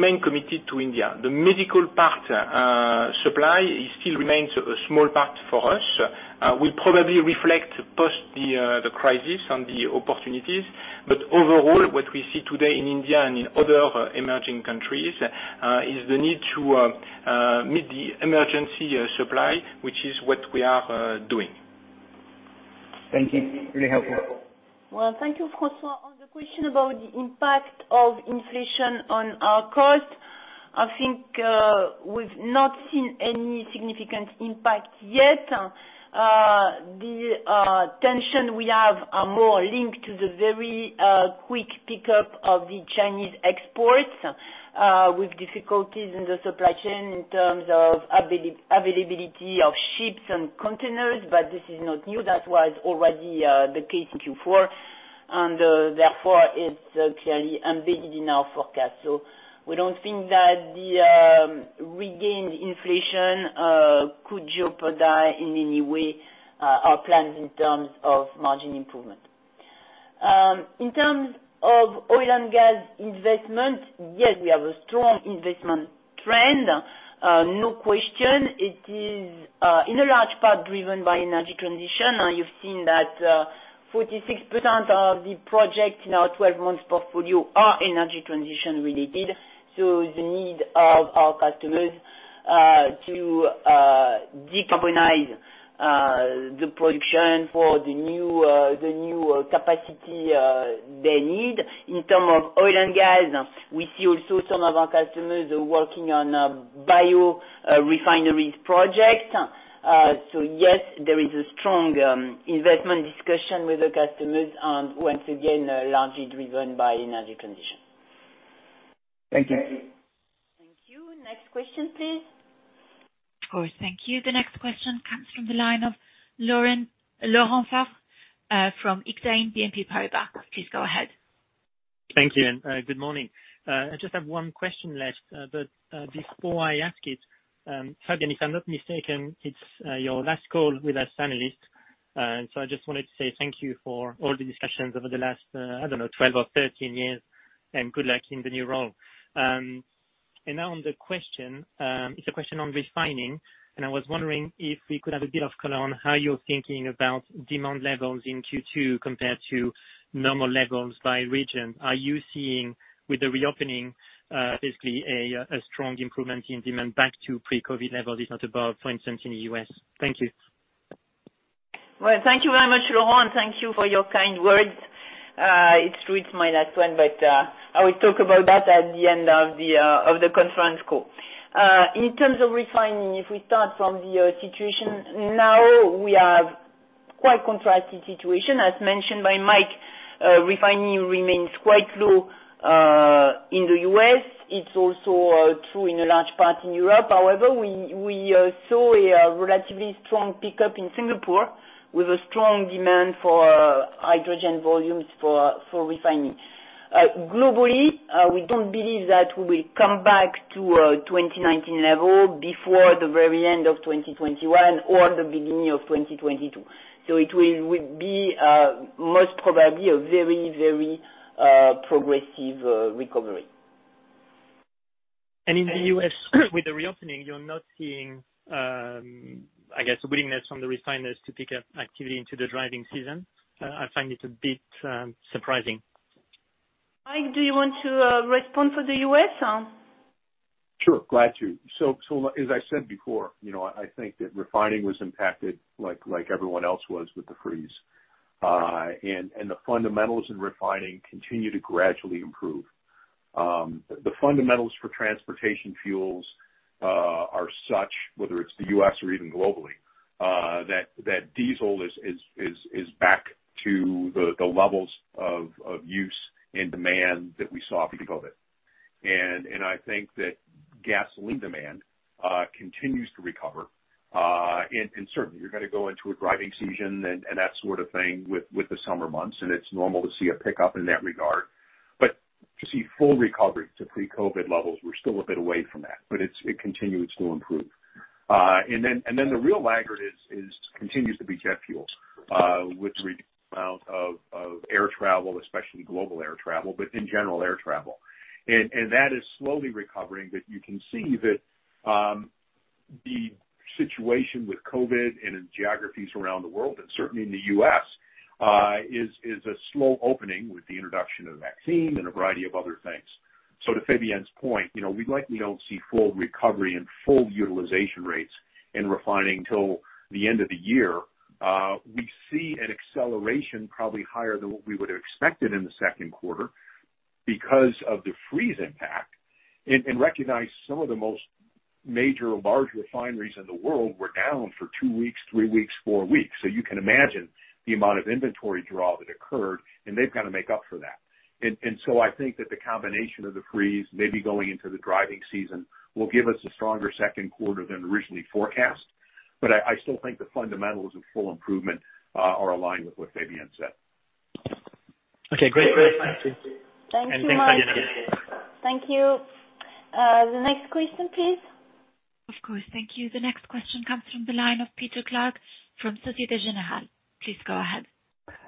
remain committed to India. The medical part supply still remains a small part for us. We probably reflect post the crisis on the opportunities. Overall, what we see today in India and in other emerging countries, is the need to meet the emergency supply, which is what we are doing. Thank you. Really helpful. Well, thank you, François. On the question about the impact of inflation on our cost, I think, we've not seen any significant impact yet. The tension we have are more linked to the very quick pickup of the Chinese exports, with difficulties in the supply chain in terms of availability of ships and containers, but this is not new. That was already the case in Q4, and therefore, it's clearly embedded in our forecast. We don't think that the regained inflation could jeopardize in any way our plans in terms of margin improvement. In terms of oil and gas investment, yes, we have a strong investment trend. No question, it is in a large part driven by energy transition. You've seen that 46% of the project in our 12 months portfolio are energy transition-related, so the need of our customers to decarbonize the production for the new capacity they need. In term of oil and gas, we see also some of our customers working on biorefineries project. Yes, there is a strong investment discussion with the customers and once again, largely driven by energy transition. Thank you. Thank you. Next question, please. Of course. Thank you. The next question comes from the line of Laurent Favre from Exane BNP Paribas. Please go ahead. Thank you, good morning. I just have one question left. Before I ask it, Fabienne, if I'm not mistaken, it's your last call with us analysts. I just wanted to say thank you for all the discussions over the last, I don't know, 12 or 13 years, and good luck in the new role. Now on the question, it's a question on refining, and I was wondering if we could have a bit of color on how you're thinking about demand levels in Q2 compared to normal levels by region. Are you seeing, with the reopening, basically a strong improvement in demand back to pre-COVID levels, if not above, for instance, in the U.S.? Thank you. Well, thank you very much, Laurent. Thank you for your kind words. It's true it's my last one, but I will talk about that at the end of the conference call. In terms of refining, if we start from the situation now, we have quite contrasting situation. As mentioned by Mike, refining remains quite low, in the U.S. It's also true in a large part in Europe. However, we saw a relatively strong pickup in Singapore with a strong demand for hydrogen volumes for refining. Globally, we don't believe that we will come back to 2019 level before the very end of 2021 or the beginning of 2022. It will be most probably a very progressive recovery. In the U.S. with the reopening, you're not seeing, I guess, a willingness from the refiners to pick up activity into the driving season? I find it a bit surprising. Mike, do you want to respond for the U.S.? Sure. Glad to. As I said before, I think that refining was impacted like everyone else was with the freeze. The fundamentals in refining continue to gradually improve. The fundamentals for transportation fuels are such, whether it's the U.S. or even globally, that diesel is back to the levels of use and demand that we saw pre-COVID. I think that gasoline demand continues to recover. Certainly, you're going to go into a driving season and that sort of thing with the summer months, and it's normal to see a pickup in that regard. To see full recovery to pre-COVID levels, we're still a bit away from that. It continues to improve. The real laggard continues to be jet fuels, with reduced amount of air travel, especially global air travel, but in general air travel. That is slowly recovering, but you can see that the situation with COVID and in geographies around the world and certainly in the U.S. is a slow opening with the introduction of vaccines and a variety of other things. To Fabienne's point, we likely don't see full recovery and full utilization rates in refining until the end of the year. We see an acceleration probably higher than what we would have expected in the second quarter because of the freeze impact. Recognize some of the most major or large refineries in the world were down for two weeks, three weeks, four weeks. You can imagine the amount of inventory draw that occurred, and they've got to make up for that. I think that the combination of the freeze, maybe going into the driving season, will give us a stronger second quarter than originally forecast. I still think the fundamentals of full improvement are aligned with what Fabienne said. Okay, great. Thanks. Thank you, Mike. Thank you. The next question, please. Of course. Thank you. The next question comes from the line of Peter Clark from Societe Generale. Please go ahead.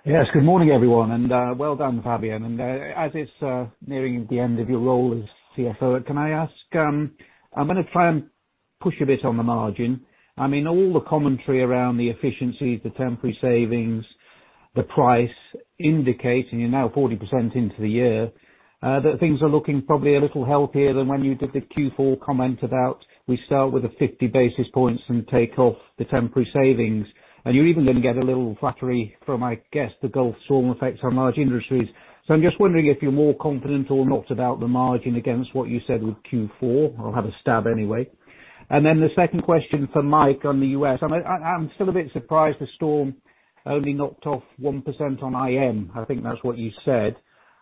Yes. Good morning, everyone. Well done, Fabienne. As it's nearing the end of your role as CFO, can I ask, I mean, I'm going to try and push a bit on the margin. I mean, all the commentary around the efficiencies, the temporary savings, the price indicating you're now 40% into the year, that things are looking probably a little healthier than when you did the Q4 comment about, we start with a 50 basis points and take off the temporary savings. You even then get a little flattery from, I guess, the Gulf storm effects on large industries. I'm just wondering if you're more confident or not about the margin against what you said with Q4. I'll have a stab anyway. Then the second question for Mike on the U.S. I'm still a bit surprised the storm only knocked off 1% on IM, I think that's what you said.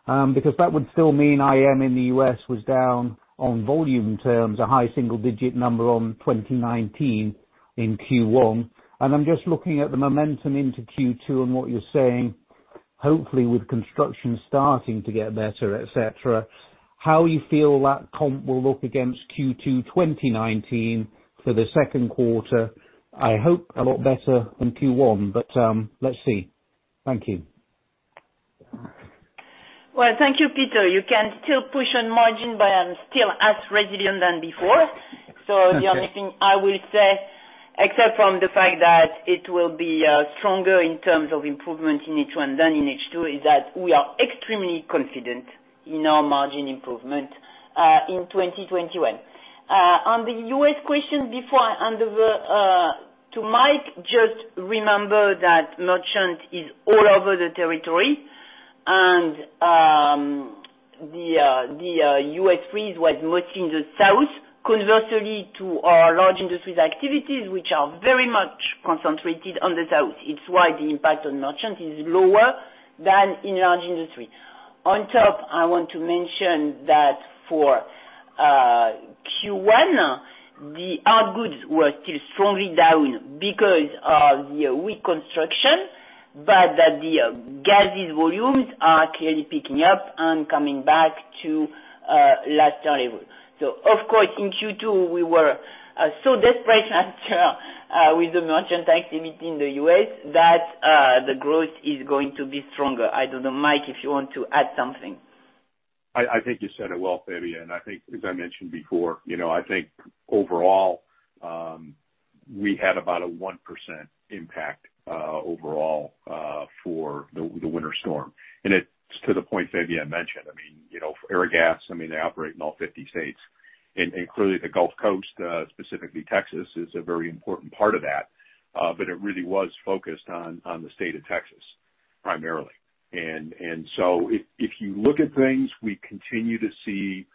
That would still mean IM in the U.S. was down on volume terms, a high single-digit number on 2019 in Q1. I'm just looking at the momentum into Q2 and what you're saying, hopefully with construction starting to get better, et cetera, how you feel that comp will look against Q2 2019 for the second quarter. I hope a lot better than Q1, but let's see. Thank you. Well, thank you, Peter. You can still push on margin, but I'm still as resilient than before. Okay. The only thing I will say, except from the fact that it will be stronger in terms of improvement in H1 than in H2, is that we are extremely confident in our margin improvement, in 2021. On the U.S. question before, to Mike, just remember that merchant is all over the territory. The U.S. freeze was mostly in the South, conversely to our large industries activities, which are very much concentrated on the South. It's why the impact on merchant is lower than in large industry. On top, I want to mention that for Q1, our goods were still strongly down because of the weak construction, but that the gases volumes are clearly picking up and coming back to last year level. Of course, in Q2 we were so desperate with the merchant activity in the U.S. that the growth is going to be stronger. I don't know, Mike, if you want to add something? I think you said it well, Fabienne. I think, as I mentioned before, I think overall, we had about a 1% impact overall for the winter storm. It's to the point Fabienne mentioned. Airgas, they operate in all 50 states, clearly the Gulf Coast, specifically Texas, is a very important part of that. It really was focused on the state of Texas, primarily. If you look at things, we continue to see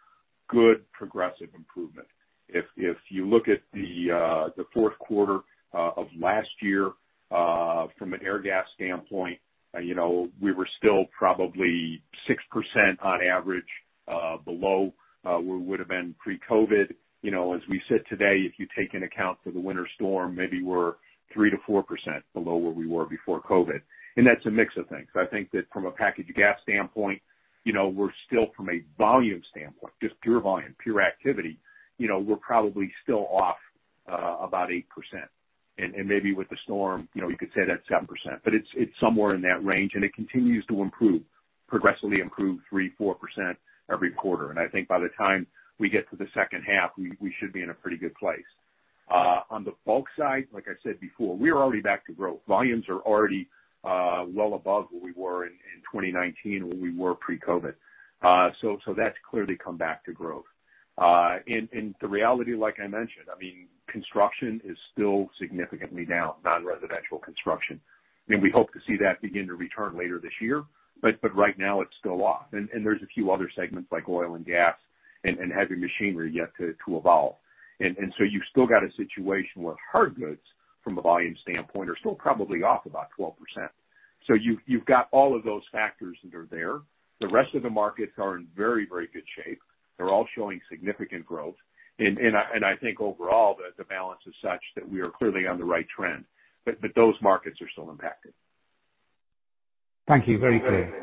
good progressive improvement. If you look at the fourth quarter of last year, from an Airgas standpoint, we were still probably 6% on average below where we would've been pre-COVID. As we sit today, if you take into account for the winter storm, maybe we're 3%-4% below where we were before COVID. That's a mix of things. I think that from a packaged gas standpoint, we're still from a volume standpoint, just pure volume, pure activity, we're probably still off about 8%. Maybe with the storm, you could say that's 7%, but it's somewhere in that range, and it continues to improve, progressively improve 3%, 4% every quarter. I think by the time we get to the second half, we should be in a pretty good place. On the bulk side, like I said before, we are already back to growth. Volumes are already well above where we were in 2019, where we were pre-COVID. That's clearly come back to growth. The reality, like I mentioned, construction is still significantly down, non-residential construction. We hope to see that begin to return later this year, but right now it's still off. There's a few other segments like oil and gas and heavy machinery yet to evolve. You've still got a situation where hard goods, from a volume standpoint, are still probably off about 12%. You've got all of those factors that are there. The rest of the markets are in very, very good shape. They're all showing significant growth. I think overall, the balance is such that we are clearly on the right trend, but those markets are still impacted. Thank you. Very clear.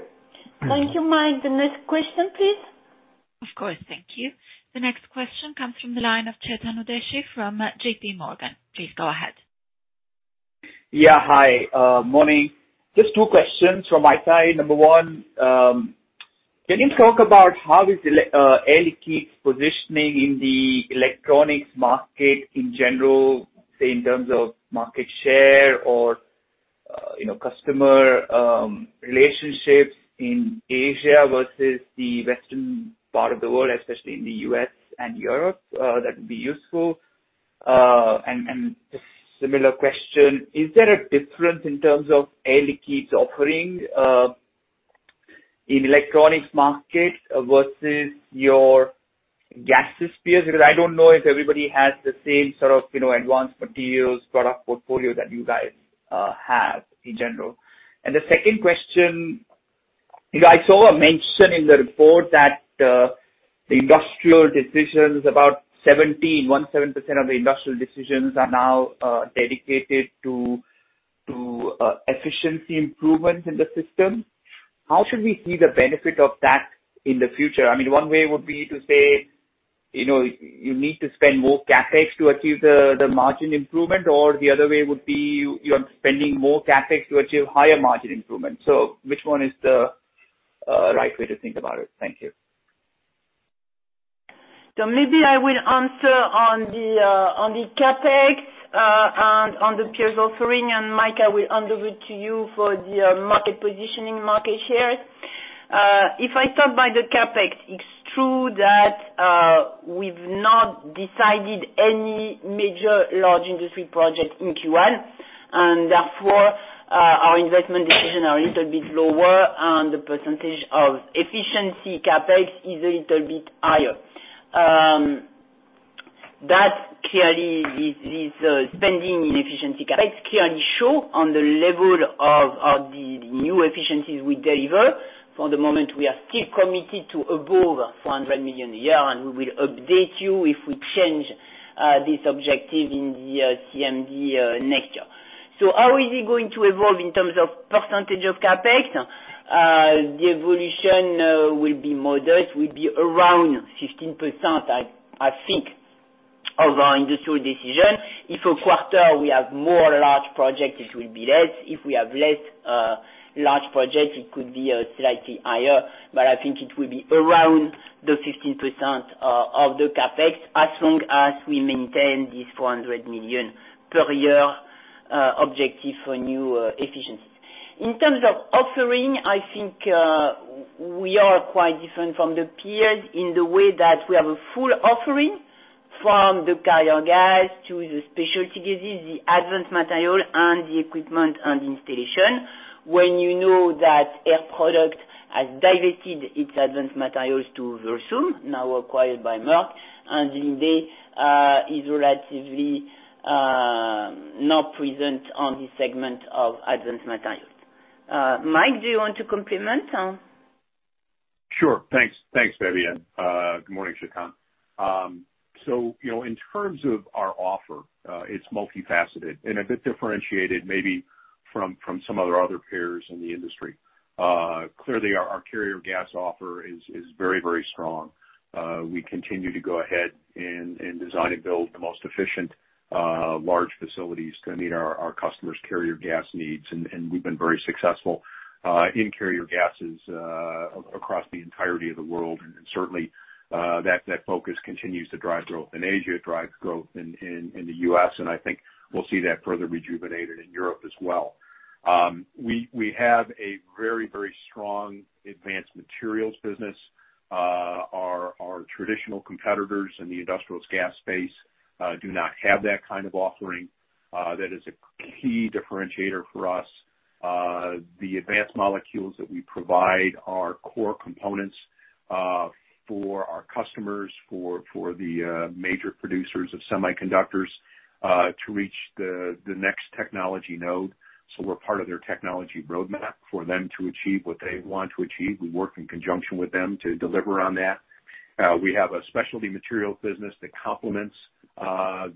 Thank you, Mike. The next question, please. Of course. Thank you. The next question comes from the line of Chetan Udeshi from J.P. Morgan. Please go ahead. Hi. Morning. Just two questions from my side. Number one, can you talk about how is Air Liquide's positioning in the electronics market in general, say, in terms of market share or customer relationships in Asia versus the western part of the world, especially in the U.S. and Europe? That would be useful. Just similar question, is there a difference in terms of Air Liquide's offering in electronics market versus your gases peers? I don't know if everybody has the same sort of advanced materials product portfolio that you guys have in general. The second question, I saw a mention in the report that the industrial decisions, about 17% of the industrial decisions are now dedicated to efficiency improvements in the system. How should we see the benefit of that in the future? One way would be to say you need to spend more CapEx to achieve the margin improvement, or the other way would be you are spending more CapEx to achieve higher margin improvement. Which one is the right way to think about it? Thank you. Maybe I will answer on the CapEx and on the peers offering, Mike, I will hand over to you for the market positioning, market shares. I start by the CapEx, it's true that we've not decided any major large industry project in Q1, therefore our investment decision are a little bit lower and the percentage of efficiency CapEx is a little bit higher. This spending in efficiency CapEx clearly show on the level of the new efficiencies we deliver. For the moment, we are still committed to above 400 million a year, we will update you if we change this objective in the CMD next year. How is it going to evolve in terms of percentage of CapEx? The evolution will be modest, will be around 15%, I think, of our industrial decision. If a quarter we have more large projects, it will be less. If we have less large projects, it could be slightly higher, but I think it will be around the 15% of the CapEx as long as we maintain this 400 million per year objective for new efficiencies. In terms of offering, I think we are quite different from the peers in the way that we have a full offering from the carrier gas to the specialty gases, the advanced material, and the equipment and installation. When you know that Air Products has divested its advanced materials to Versum, now acquired by Merck, and Linde is relatively not present on this segment of advanced materials. Mike, do you want to complement? Sure. Thanks, Fabienne. Good morning, Chetan. In terms of our offer, it's multifaceted and a bit differentiated maybe from some other peers in the industry. Clearly, our carrier gas offer is very, very strong. We continue to go ahead and design and build the most efficient large facilities to meet our customers' carrier gas needs. We've been very successful in carrier gases across the entirety of the world. Certainly, that focus continues to drive growth in Asia, drives growth in the U.S., and I think we'll see that further rejuvenated in Europe as well. We have a very, very strong advanced materials business. Our traditional competitors in the industrial gas space do not have that kind of offering. That is a key differentiator for us. The advanced molecules that we provide are core components for our customers, for the major producers of semiconductors to reach the next technology node. We're part of their technology roadmap for them to achieve what they want to achieve. We work in conjunction with them to deliver on that. We have a specialty materials business that complements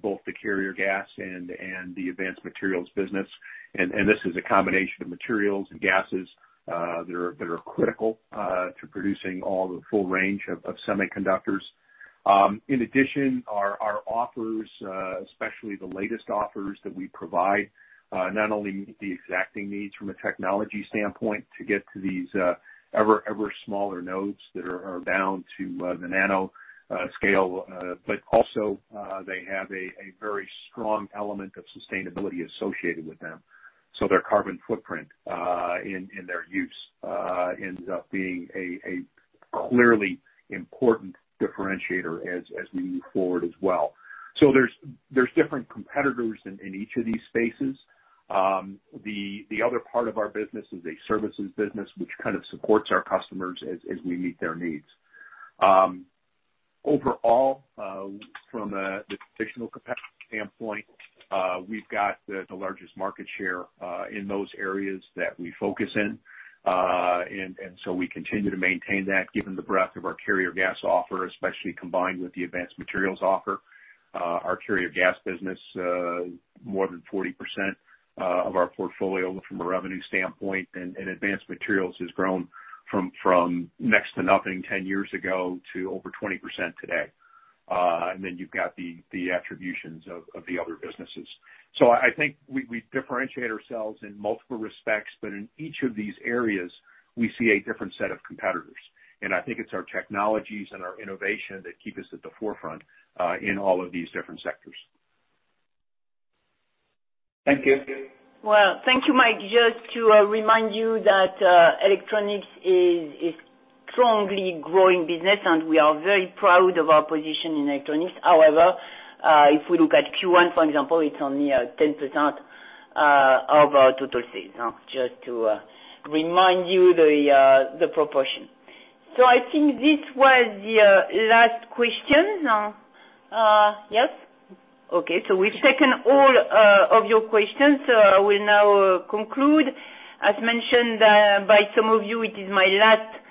both the carrier gas and the advanced materials business. This is a combination of materials and gases that are critical to producing all the full range of semiconductors. In addition, our offers, especially the latest offers that we provide, not only meet the exacting needs from a technology standpoint to get to these ever smaller nodes that are down to the nanoscale, but also they have a very strong element of sustainability associated with them. Their carbon footprint in their use ends up being a clearly important differentiator as we move forward as well. There's different competitors in each of these spaces. The other part of our business is a services business, which kind of supports our customers as we meet their needs. Overall, from the traditional capacity standpoint, we've got the largest market share in those areas that we focus in. We continue to maintain that given the breadth of our carrier gas offer, especially combined with the advanced materials offer. Our carrier gas business, more than 40% of our portfolio from a revenue standpoint, and advanced materials has grown from next to nothing 10 years ago to over 20% today. You've got the attributions of the other businesses. I think we differentiate ourselves in multiple respects, but in each of these areas, we see a different set of competitors. I think it's our technologies and our innovation that keep us at the forefront in all of these different sectors. Thank you. Thank you, Mike. Just to remind you that Electronics is a strongly growing business, and we are very proud of our position in Electronics. However, if we look at Q1, for example, it's only 10% of our total sales. Just to remind you the proportion. I think this was the last question. Yes? We've taken all of your questions. We'll now conclude. As mentioned by some of you, it is my last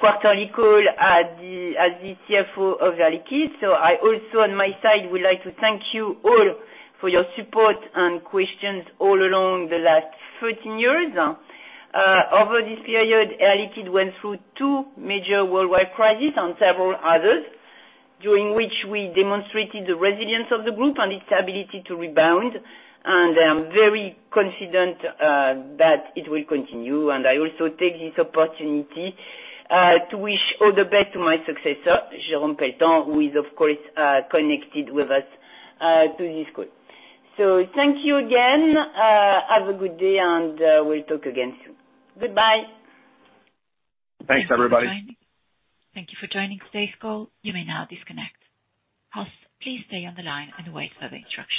quarterly call as the CFO of Air Liquide. I also, on my side, would like to thank you all for your support and questions all along the last 13 years. Over this period, Air Liquide went through two major worldwide crises and several others, during which we demonstrated the resilience of the group and its ability to rebound, and I'm very confident that it will continue. I also take this opportunity to wish all the best to my successor, Jérôme Pelletan, who is of course, connected with us to this call. Thank you again. Have a good day, and we'll talk again soon. Goodbye. Thanks, everybody. Thank you for joining today's call. You may now disconnect. Host, please stay on the line and wait for the instructions.